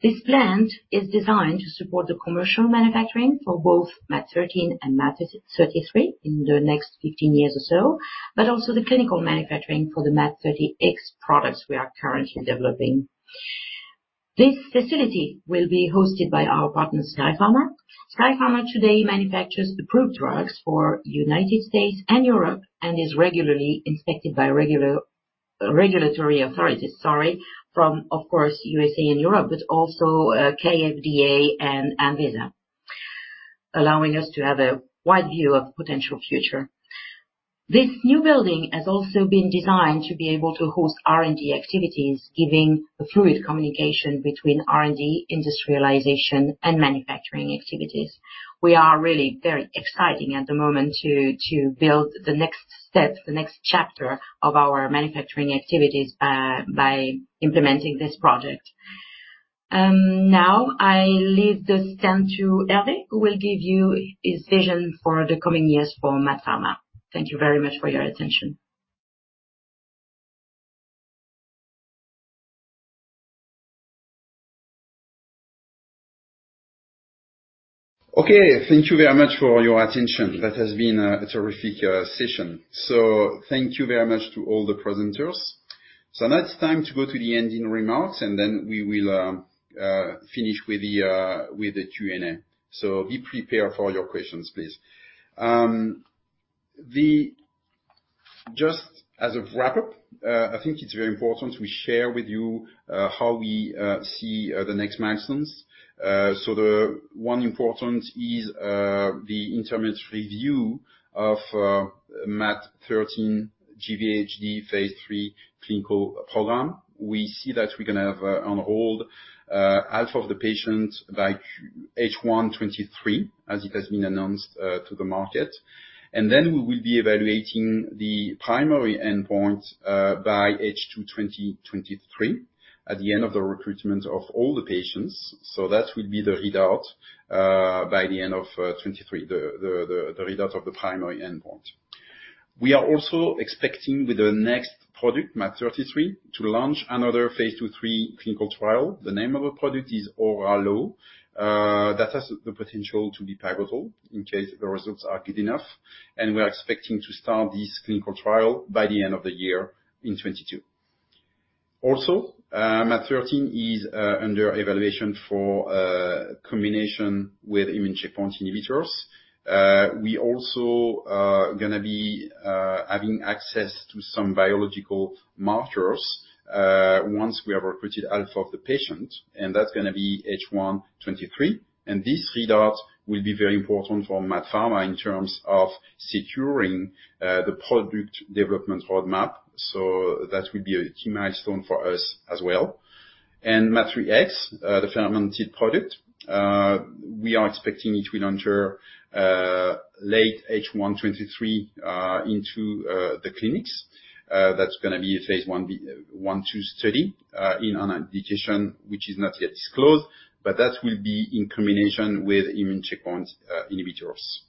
This plant is designed to support the commercial manufacturing for both MaaT013 and MaaT033 in the next 15 years or so, but also the clinical manufacturing for the MaaT03X products we are currently developing. This facility will be hosted by our partner, Skyepharma. Skyepharma today manufactures approved drugs for United States and Europe, and is regularly inspected by regulatory authorities, sorry, from, of course, U.S.A and Europe, but also, KFDA and ANVISA, allowing us to have a wide view of potential future. This new building has also been designed to be able to host R&D activities, giving a fluid communication between R&D, industrialization, and manufacturing activities. We are really very exciting at the moment to build the next step, the next chapter of our manufacturing activities by implementing this project. Now I leave the stand to Hervé, who will give you his vision for the coming years for MaaT Pharma. Thank you very much for your attention. Okay. Thank you very much for your attention. That has been a terrific session. Thank you very much to all the presenters. Now it's time to go to the ending remarks, and then we will finish with the Q&A. Be prepared for your questions, please. Just as a wrap-up, I think it's very important we share with you how we see the next milestones. The one important is the interim review of MaaT013 GvHD phase III clinical program. We see that we're gonna have enrolled half of the patients by H1 2023, as it has been announced to the market. Then we will be evaluating the primary endpoint by H2 2023 at the end of the recruitment of all the patients. That will be the readout by the end of 2023, the readout of the primary endpoint. We are also expecting with the next product, MaaT033, to launch another phase II/III clinical trial. The name of the product is ORALLO. That has the potential to be pivotal in case the results are good enough. We are expecting to start this clinical trial by the end of the year in 2022. Also, MaaT013 is under evaluation for combination with immune checkpoint inhibitors. We also are gonna be having access to some biological markers once we have recruited half of the patients, and that's gonna be H1 2023. This readout will be very important for MaaT Pharma in terms of securing the product development roadmap. That will be a key milestone for us as well. MaaT03X, the fermented product, we are expecting it to enter late H1 2023 into the clinics. That's gonna be a phase Ib-I-II study in an indication which is not yet disclosed, but that will be in combination with immune checkpoint inhibitors.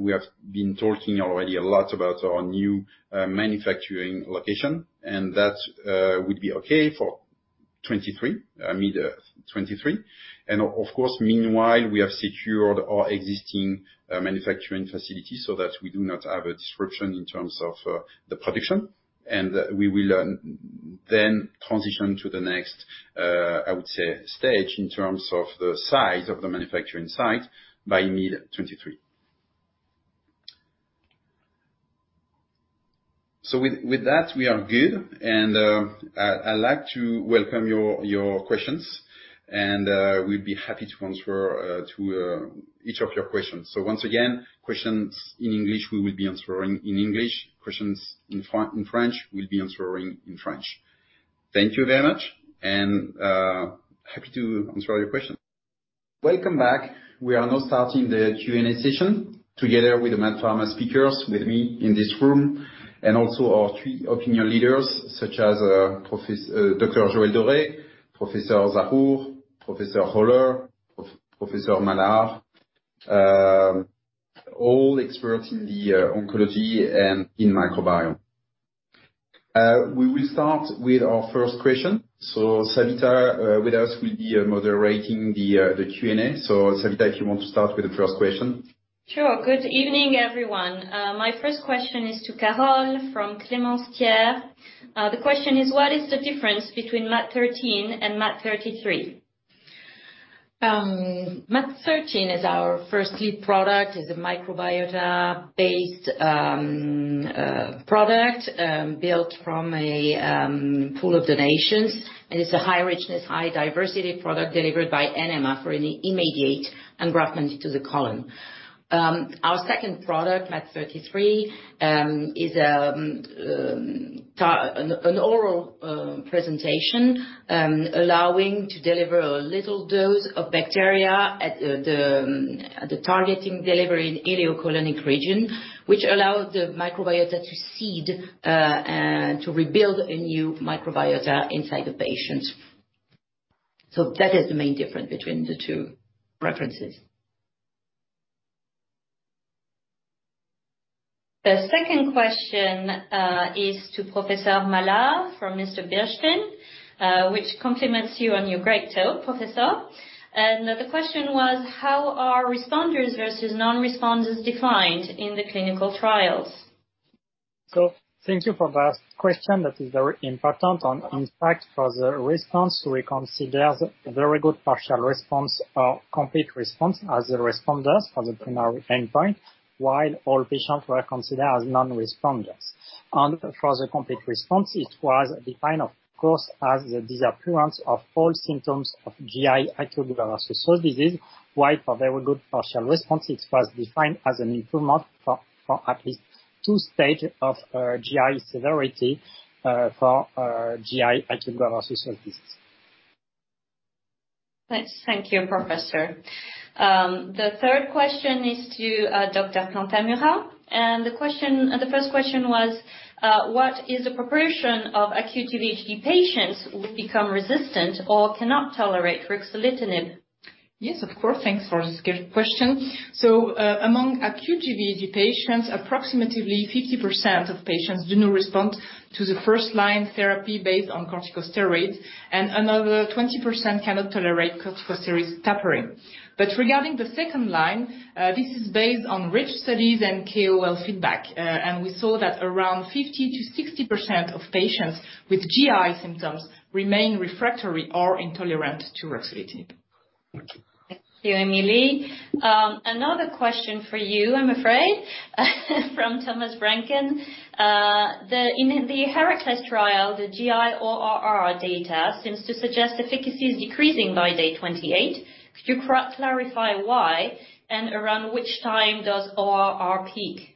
We have been talking already a lot about our new manufacturing location, and that will be okay for 2023, I mean, 2023. Of course, meanwhile, we have secured our existing manufacturing facilities so that we do not have a disruption in terms of the production. We will then transition to the next stage in terms of the size of the manufacturing site by mid-2023. With that, we are good. I'd like to welcome your questions, and we'll be happy to answer to each of your questions. Once again, questions in English, we will be answering in English. Questions in French, we'll be answering in French. Thank you very much, and happy to answer all your questions. Welcome back. We are now starting the Q&A session together with the MaaT Pharma speakers with me in this room, and also our three opinion leaders, such as Dr. Joël Doré, Professor Zarour, Professor Holler, Professor Malard, all experts in the oncology and in microbiome. We will start with our first question. Savita with us will be moderating the Q&A. Savita, if you want to start with the first question. Sure. Good evening, everyone. My first question is to Carole from Clémence Pierre. The question is: What is the difference between MaaT013 and MaaT033? MaaT013 is our first lead product, is a microbiota-based product, built from a pool of donations. It's a high richness, high diversity product delivered by enema for an immediate engraftment into the colon. Our second product, MaaT033, is an oral presentation, allowing to deliver a little dose of bacteria at the targeting delivery in ileocolonic region, which allow the microbiota to seed, to rebuild a new microbiota inside the patients. That is the main difference between the two references. The second question is to Professor Malard from Mr. Bernstein, which compliments you on your great talk, Professor. The question was: How are responders versus non-responders defined in the clinical trials? Thank you for that question. That is very important. On impact for the response, we consider very good partial response or complete response as the responders for the primary endpoint, while all patients were considered as non-responders. For the complete response, it was defined, of course, as the disappearance of all symptoms of GI acute GvHD, while for very good partial response it was defined as an improvement for at least two stage of GI severity for GI acute GvHD. Nice. Thank you, Professor. The third question is to Dr. Plantamura. The first question was: What is the proportion of acute GVHD patients who become resistant or cannot tolerate ruxolitinib? Yes, of course. Thanks for this great question. Among acute GvHD patients, approximately 50% of patients do not respond to the first-line therapy based on corticosteroids, and another 20% cannot tolerate corticosteroid tapering. Regarding the second line, this is based on REACH studies and KOL feedback. We saw that around 50%-60% of patients with GI symptoms remain refractory or intolerant to ruxolitinib. Thank you, Emilie. Another question for you, I'm afraid, from Thomas Rankin. In the HERACLES trial, the GI ORR data seems to suggest efficacy is decreasing by day 28. Could you clarify why, and around which time does ORR peak?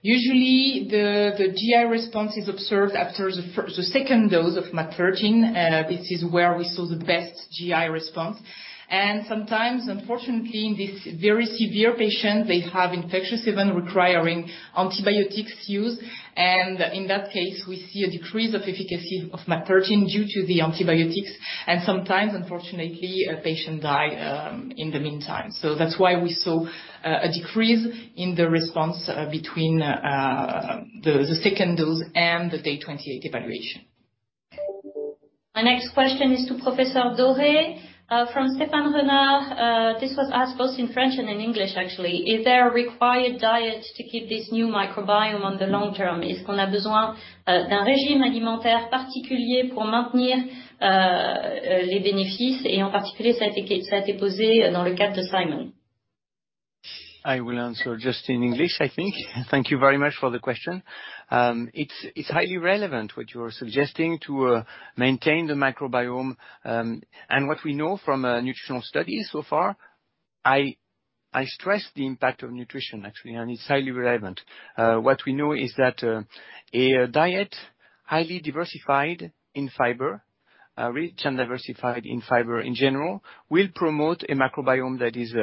Usually the GI response is observed after the second dose of MaaT013. This is where we saw the best GI response. Sometimes, unfortunately, in this very severe patient, they have infectious event requiring antibiotics use, and in that case, we see a decrease of efficacy of MaaT013 due to the antibiotics, and sometimes, unfortunately, a patient die in the meantime. That's why we saw a decrease in the response between the second dose and the day 28 evaluation. My next question is to Professor Doré, from Stéphane Renard. This was asked both in French and in English, actually. Is there a required diet to keep this new microbiome on the long term? I will answer just in English, I think. Thank you very much for the question. It's highly relevant what you are suggesting to maintain the microbiome. What we know from nutritional studies so far, I stress the impact of nutrition actually, and it's highly relevant. What we know is that a diet- Highly diversified in fiber, rich and diversified in fiber in general will promote a microbiome that is,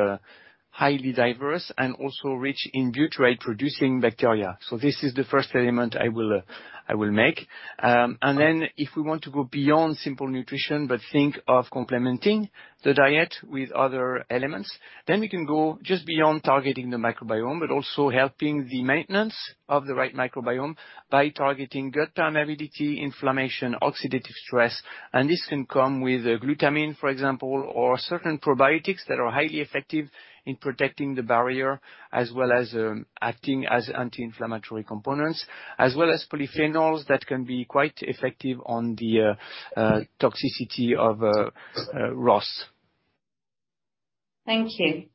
highly diverse and also rich in butyrate-producing bacteria. This is the first element I will make. If we want to go beyond simple nutrition but think of complementing the diet with other elements, we can go just beyond targeting the microbiome, but also helping the maintenance of the right microbiome by targeting gut permeability, inflammation, oxidative stress. This can come with, glutamine, for example, or certain probiotics that are highly effective in protecting the barrier, as well as, acting as anti-inflammatory components. Polyphenols that can be quite effective on the, toxicity of, ROS. Thank you.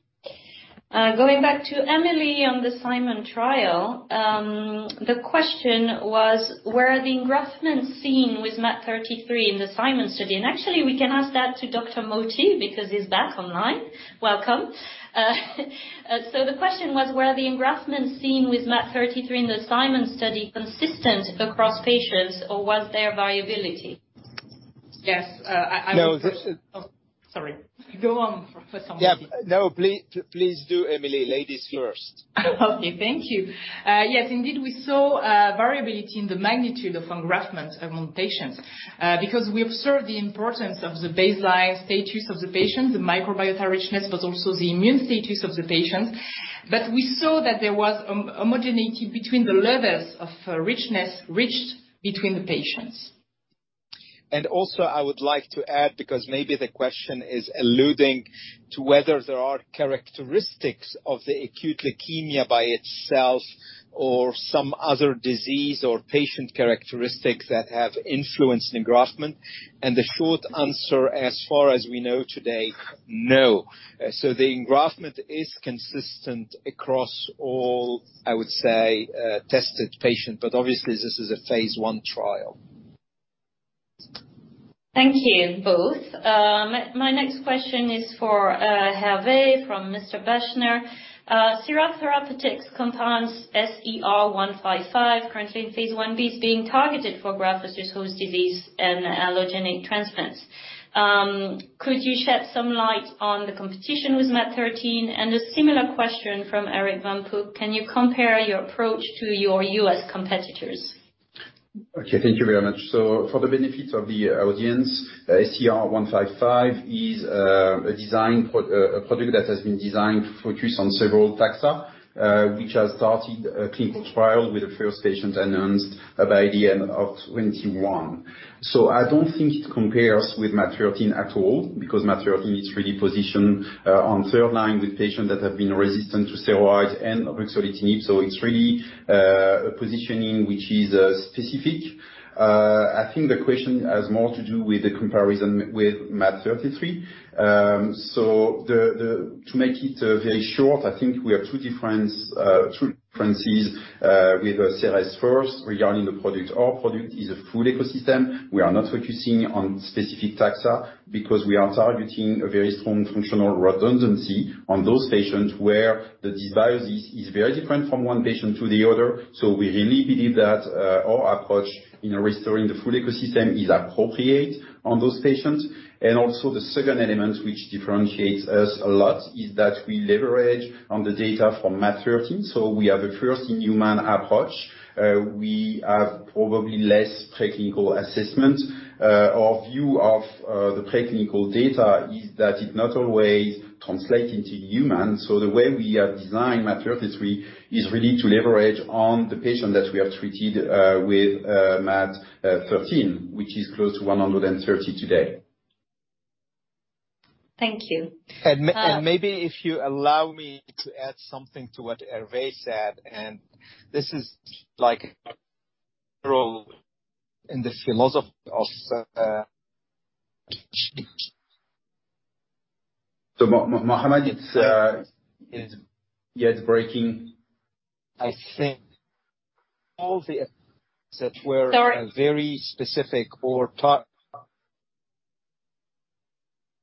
Going back to Emilie on the CIMON trial. The question was: Were the engraftments seen with MaaT033 in the CIMON study? Actually, we can ask that to Dr. Mohamad Mohty because he's back online. Welcome. So the question was: Were the engraftments seen with MaaT033 in the CIMON study consistent across patients, or was there variability? Yes. No, this is. Oh, sorry. Go on, Professor Mohty. Yeah. No, please do, Emilie. Ladies first. Okay. Thank you. Yes, indeed, we saw variability in the magnitude of engraftment among patients because we observed the importance of the baseline status of the patient, the microbiota richness, but also the immune status of the patient. We saw that there was homogeneity between the levels of richness reached between the patients. I would like to add, because maybe the question is alluding to whether there are characteristics of the acute leukemia by itself or some other disease or patient characteristics that have influenced engraftment. The short answer, as far as we know today, no. The engraftment is consistent across all, I would say, tested patients, but obviously, this is a phase one trial. Thank you, both. My next question is for Hervé from Mr. Bechner. Seres Therapeutics compounds SER-155, currently in phase 1b, is being targeted for graft-versus-host disease and allogeneic transplants. Could you shed some light on the competition with MaaT013? And a similar question from Eric Van Puck: Can you compare your approach to your U.S. competitors? Okay. Thank you very much. For the benefit of the audience, SER-155 is a product that has been designed to focus on several taxa, which has started a clinical trial with the first patient announced by the end of 2021. I don't think it compares with MaaT013 at all because MaaT013 is really positioned on third line with patients that have been resistant to steroids and ruxolitinib. It's really a positioning which is specific. I think the question has more to do with the comparison with MaaT033. To make it very short, I think we have two differences with Seres first regarding the product. Our product is a full ecosystem. We are not focusing on specific taxa because we are targeting a very strong functional redundancy on those patients, where the disease is very different from one patient to the other. We really believe that our approach in restoring the full ecosystem is appropriate on those patients. The second element which differentiates us a lot is that we leverage on the data from MaaT013. We are the first in human approach. We have probably less preclinical assessment. Our view of the preclinical data is that it not always translate into human. The way we have designed MaaT033 is really to leverage on the patient that we have treated with MaaT013, which is close to 130 today. Thank you. Maybe if you allow me to add something to what Hervé said, and this is like role in the philosophy of. Mohamad, it's breaking. I think all the assets were. Sorry. -very specific for ta-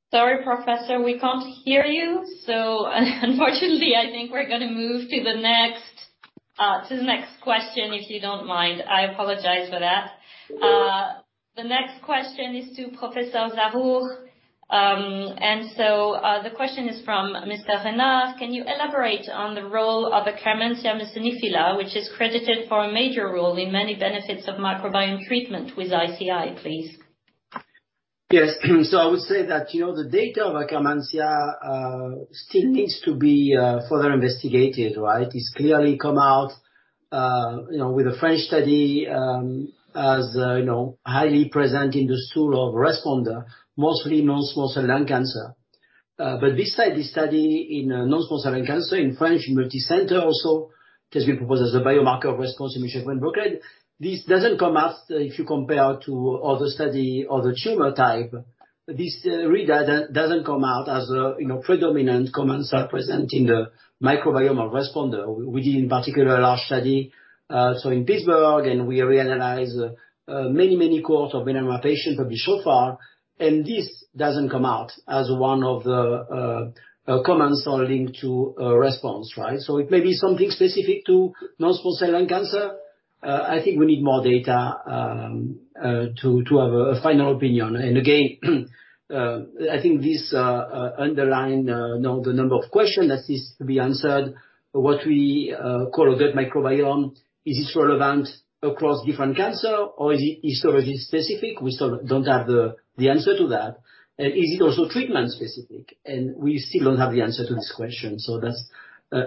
Sorry, Professor, we can't hear you. Unfortunately, I think we're gonna move to the next question, if you don't mind. I apologize for that. The next question is to Professor Zarour. The question is from Mr. Renard: Can you elaborate on the role of Akkermansia muciniphila, which is credited for a major role in many benefits of microbiome treatment with ICI, please? Yes. I would say that, you know, the data of Akkermansia still needs to be further investigated, right? It's clearly come out, you know, with a French study, as, you know, highly present in the stool of responder, mostly non-small cell lung cancer. But besides the study in non-small cell lung cancer in France, in multicenter also, it has been proposed as a biomarker of response in melanoma. This doesn't come out if you compare to other study, other tumor type. This really doesn't come out as a, you know, predominant commensal present in the microbiome of responder within particular large study. In Pittsburgh, we reanalyze many cohorts of immunotherapy, but so far, this doesn't come out as one of the components or link to a response, right? It may be something specific to non-small cell lung cancer. I think we need more data to have a final opinion. Again, I think this underlines you know the number of questions that is to be answered. What we call a gut microbiome, is this relevant across different cancer or is it history specific? We sort of don't have the answer to that. Is it also treatment specific? We still don't have the answer to this question, so that's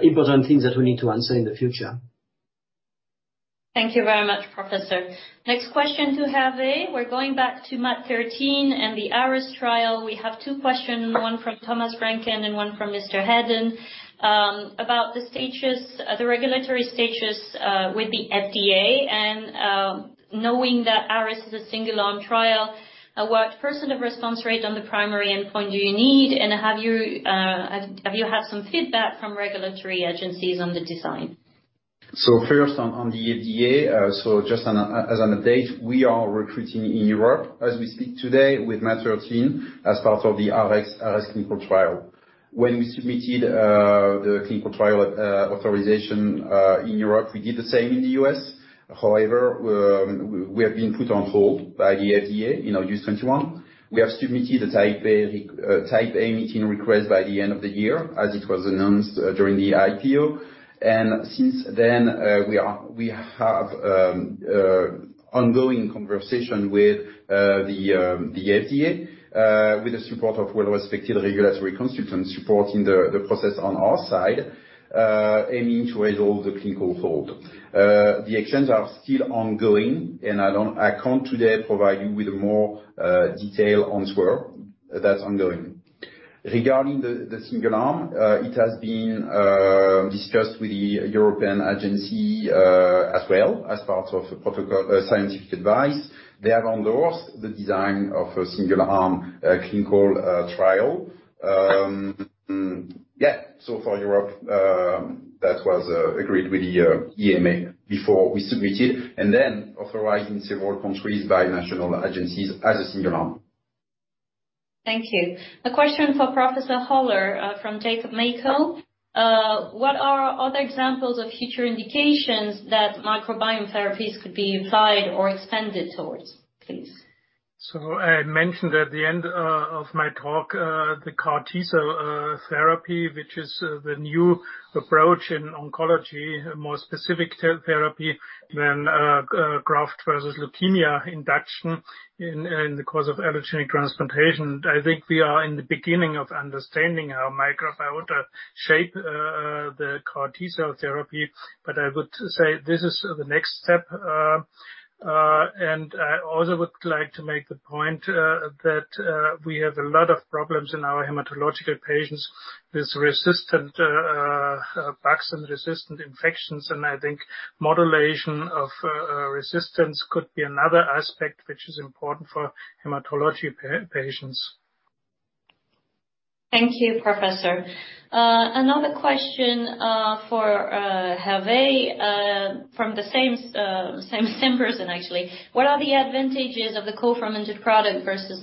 important things that we need to answer in the future. Thank you very much, Professor. Next question to Hervé. We're going back to MaaT013 and the ARES trial. We have two questions, one from Thomas Franklin and one from Mr. Hedden, about the status, the regulatory status, with the FDA and, knowing that ARES is a single arm trial, what overall response rate on the primary endpoint do you need? And have you had some feedback from regulatory agencies on the design? First on the FDA, just as an update, we are recruiting in Europe as we speak today with MaaT013 as part of the ARES clinical trial. When we submitted the clinical trial authorization in Europe, we did the same in the U.S. However, we have been put on hold by the FDA in August 2021. We have submitted a type A meeting request by the end of the year, as it was announced during the IPO. Since then, we have ongoing conversation with the FDA, with the support of well-respected regulatory consultants supporting the process on our side, aiming to resolve the clinical hold. The actions are still ongoing, and I don't. I can't today provide you with more detail on square that's ongoing. Regarding the single arm, it has been discussed with the European agency as well as part of protocol scientific advice. They have endorsed the design of a single arm clinical trial. For Europe, that was agreed with the EMA before we submitted and then authorized in several countries by national agencies as a single arm. Thank you. A question for Professor Holler, from Jakob Makowka. What are other examples of future indications that microbiome therapies could be applied or expanded towards, please? I mentioned at the end of my talk the CAR T cell therapy, which is the new approach in oncology, a more specific therapy than graft versus leukemia induction in the course of allogeneic transplantation. I think we are in the beginning of understanding how microbiota shape the CAR T cell therapy. I would say this is the next step. I also would like to make the point that we have a lot of problems in our hematological patients with resistant bugs and resistant infections. I think modulation of resistance could be another aspect which is important for hematology patients. Thank you, Professor. Another question for Hervé from the same person, actually. What are the advantages of the co-fermented product versus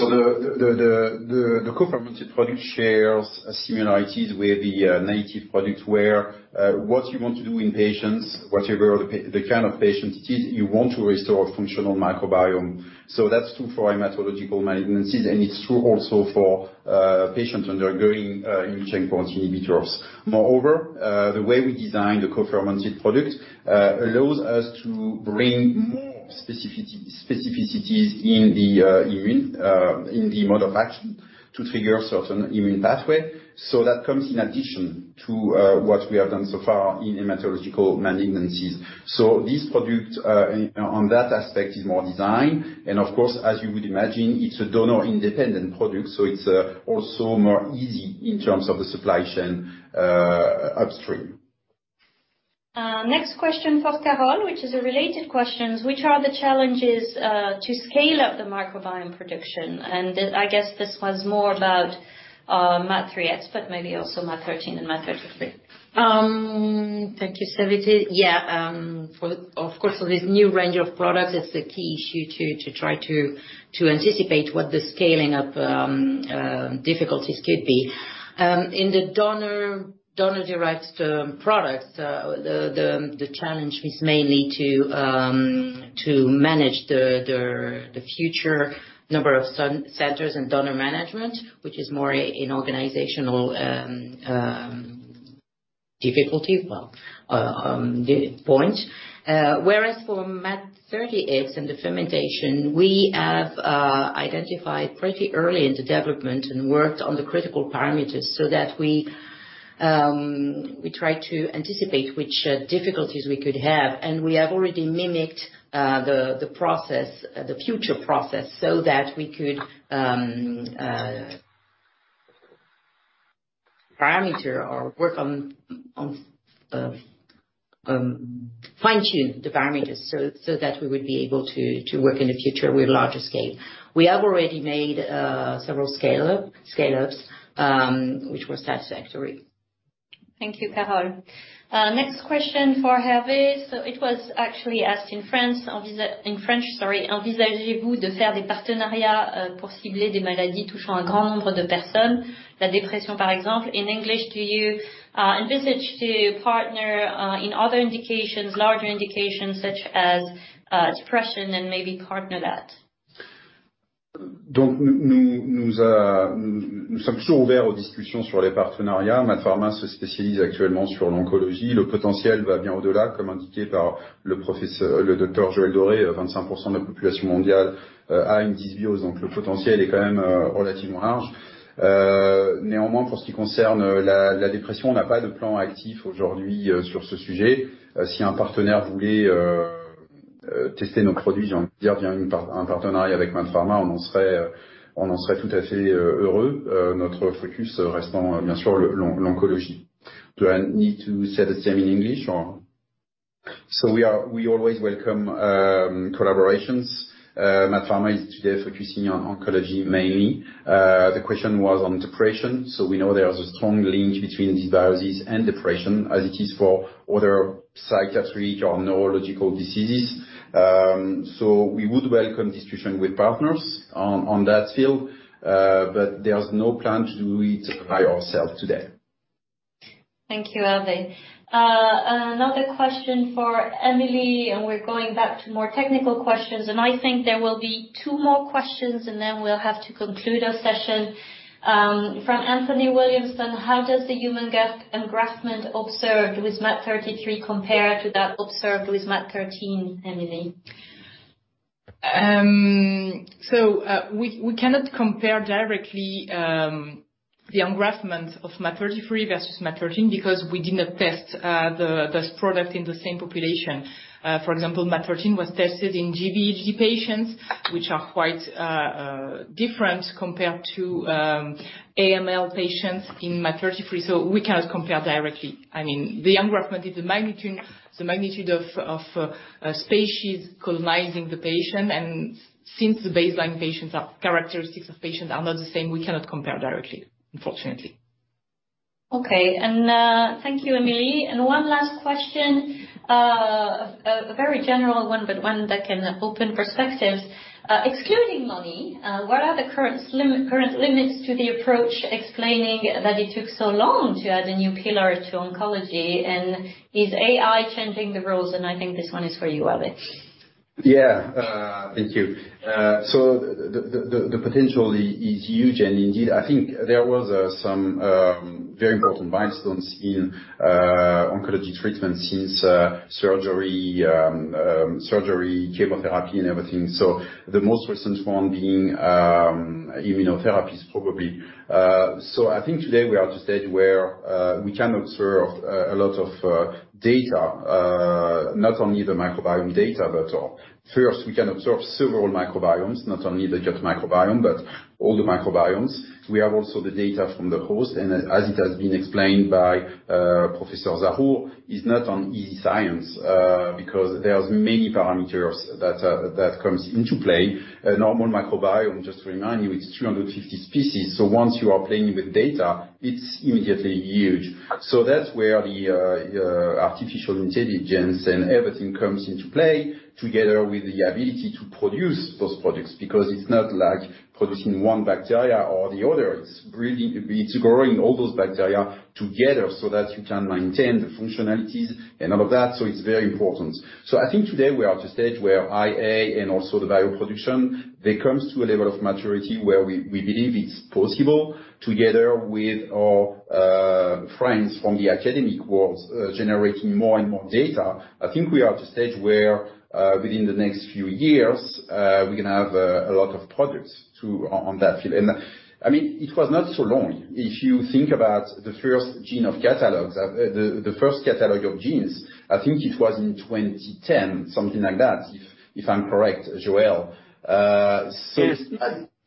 MaaT033? The co-fermented product shares similarities with the native product, where what you want to do in patients, whatever the kind of patients it is, you want to restore functional microbiome. That's true for hematological malignancies, and it's true also for patients undergoing immune checkpoint inhibitor. Moreover, the way we design the co-fermented product allows us to bring more specificities in the immune in the mode of action to trigger certain immune pathway. That comes in addition to what we have done so far in hematological malignancies. This product, on that aspect is more designed. Of course, as you would imagine, it's a donor-independent product, so it's also more easy in terms of the supply chain upstream. Next question for Carole, which is a related question. Which are the challenges to scale up the microbiome production? This, I guess, was more about MaaT03X, but maybe also MaaT013 and MaaT033. Thank you, Savita. Yeah, for this new range of products, it's the key issue to try to anticipate what the scaling up difficulties could be. In the donor-derived products, the challenge is mainly to manage the future number of centers and donor management, which is more an organizational difficulty, well, data point. Whereas for MaaT03X and the fermentation, we have identified pretty early in the development and worked on the critical parameters so that we try to anticipate which difficulties we could have. We have already mimicked the process, the future process so that we could parametrize or work on, fine-tune the parameters so that we would be able to work in the future with larger scale. We have already made several scale-ups, which was satisfactory. Thank you, Carole. Next question for Hervé. It was actually asked in France, in French, sorry. « Envisagez-vous de faire des partenariats pour cibler des maladies touchant un grand nombre de personnes? La dépression, par exemple. » In English, do you envisage to partner in other indications, larger indications such as depression and maybe partner that? Nous sommes toujours ouverts aux discussions sur les partenariats. MaaT Pharma se spécialise actuellement sur l'oncologie. Le potentiel va bien au-delà, comme indiqué par le docteur Joël Doré. 25% de la population mondiale a une dysbiose, le potentiel est quand même relativement large. Néanmoins, pour ce qui concerne la dépression, on n'a pas de plan actif aujourd'hui sur ce sujet. Si un partenaire voulait tester nos produits, j'ai envie de dire via un partenariat avec MaaT Pharma, on en serait tout à fait heureux. Notre focus restant bien sûr l'oncologie. Do I need to say the same in English or? We always welcome collaborations. MaaT Pharma is today focusing on oncology mainly. The question was on depression. We know there's a strong link between dysbiosis and depression as it is for other psychiatric or neurological diseases. We would welcome distribution with partners in that field, but there's no plan to do it by ourselves today. Thank you, Hervé. Another question for Emilie, and we're going back to more technical questions, and I think there will be two more questions, and then we'll have to conclude our session. From Anthony Williamson, "How does the human gut engraftment observed with MaaT033 compare to that observed with MaaT013, Emilie? We cannot compare directly the engraftment of MaaT033 versus MaaT013 because we did not test those products in the same population. For example, MaaT013 was tested in GvHD patients, which are quite different compared to AML patients in MaaT033. We cannot compare directly. I mean, the engraftment is the magnitude of species colonizing the patient. Since the baseline characteristics of patients are not the same, we cannot compare directly, unfortunately. Okay. Thank you, Emilie. One last question, a very general one, but one that can open perspectives. Excluding money, what are the current slim limits to the approach explaining that it took so long to add a new pillar to oncology? Is AI changing the rules? I think this one is for you, Hervé. Yeah. Thank you. The potential is huge. Indeed, I think there was some very important milestones in oncology treatment since surgery, chemotherapy and everything. The most recent one being immunotherapies, probably. I think today we are at a stage where we can observe a lot of data, not only the microbiome data, but first we can observe several microbiomes, not only the gut microbiome, but all the microbiomes. We have also the data from the host, and as it has been explained by Professor Zarour, is not an easy science, because there's many parameters that comes into play. A normal microbiome, just to remind you, it's 350 species, so once you are playing with data, it's immediately huge. That's where the artificial intelligence and everything comes into play together with the ability to produce those products, because it's not like producing one bacteria or the other. It's breeding, it's growing all those bacteria together so that you can maintain the functionalities and all of that. It's very important. I think today we are at a stage where AI and also the bioproduction there comes to a level of maturity where we believe it's possible together with our friends from the academic world generating more and more data. I think we are at a stage where within the next few years we're gonna have a lot of products on that field. I mean, it was not so long. If you think about the first catalog of genes, I think it was in 2010, something like that, if I'm correct, Joël. Yes.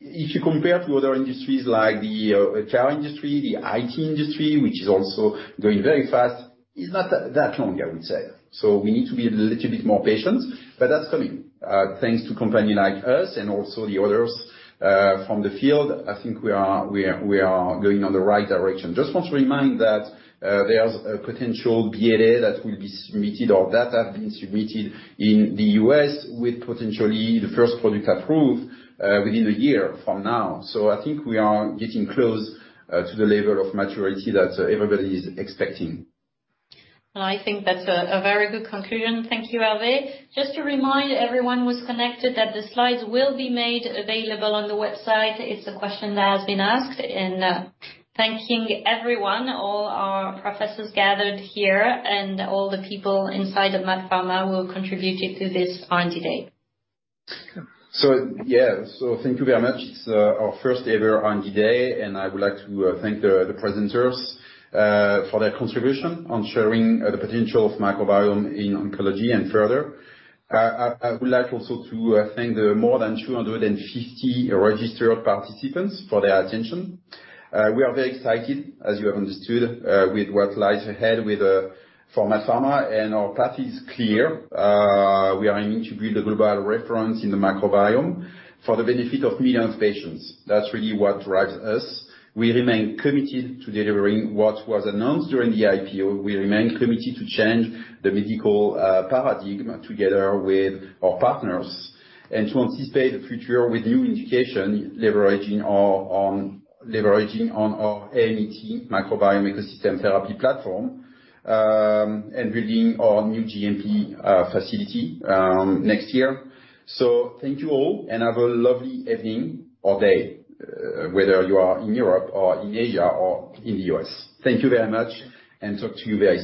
If you compare to other industries like the car industry, the IT industry, which is also growing very fast, it's not that long, I would say. We need to be a little bit more patient, but that's coming. Thanks to company like us and also the others from the field, I think we are going on the right direction. Just want to remind that there's a potential BLA that will be submitted or that have been submitted in the U.S. with potentially the first product approved within a year from now. I think we are getting close to the level of maturity that everybody is expecting. Well, I think that's a very good conclusion. Thank you, Hervé. Just to remind everyone who's connected that the slides will be made available on the website. It's a question that has been asked. Thanking everyone, all our professors gathered here and all the people inside of MaaT Pharma who contributed to this R&D Day. Yeah. Thank you very much. It's our first-ever R&D Day, and I would like to thank the presenters for their contribution on sharing the potential of microbiome in oncology and further. I would like also to thank the more than 250 registered participants for their attention. We are very excited, as you have understood, with what lies ahead for MaaT Pharma, and our path is clear. We are aiming to be the global reference in the microbiome for the benefit of millions of patients. That's really what drives us. We remain committed to delivering what was announced during the IPO. We remain committed to change the medical paradigm together with our partners and to anticipate the future with new indication, leveraging our on. leveraging on our MET Microbiome Ecosystem Therapy platform, and building our new GMP facility, next year. Thank you all and have a lovely evening or day, whether you are in Europe or in Asia or in the U.S. Thank you very much and talk to you very soon.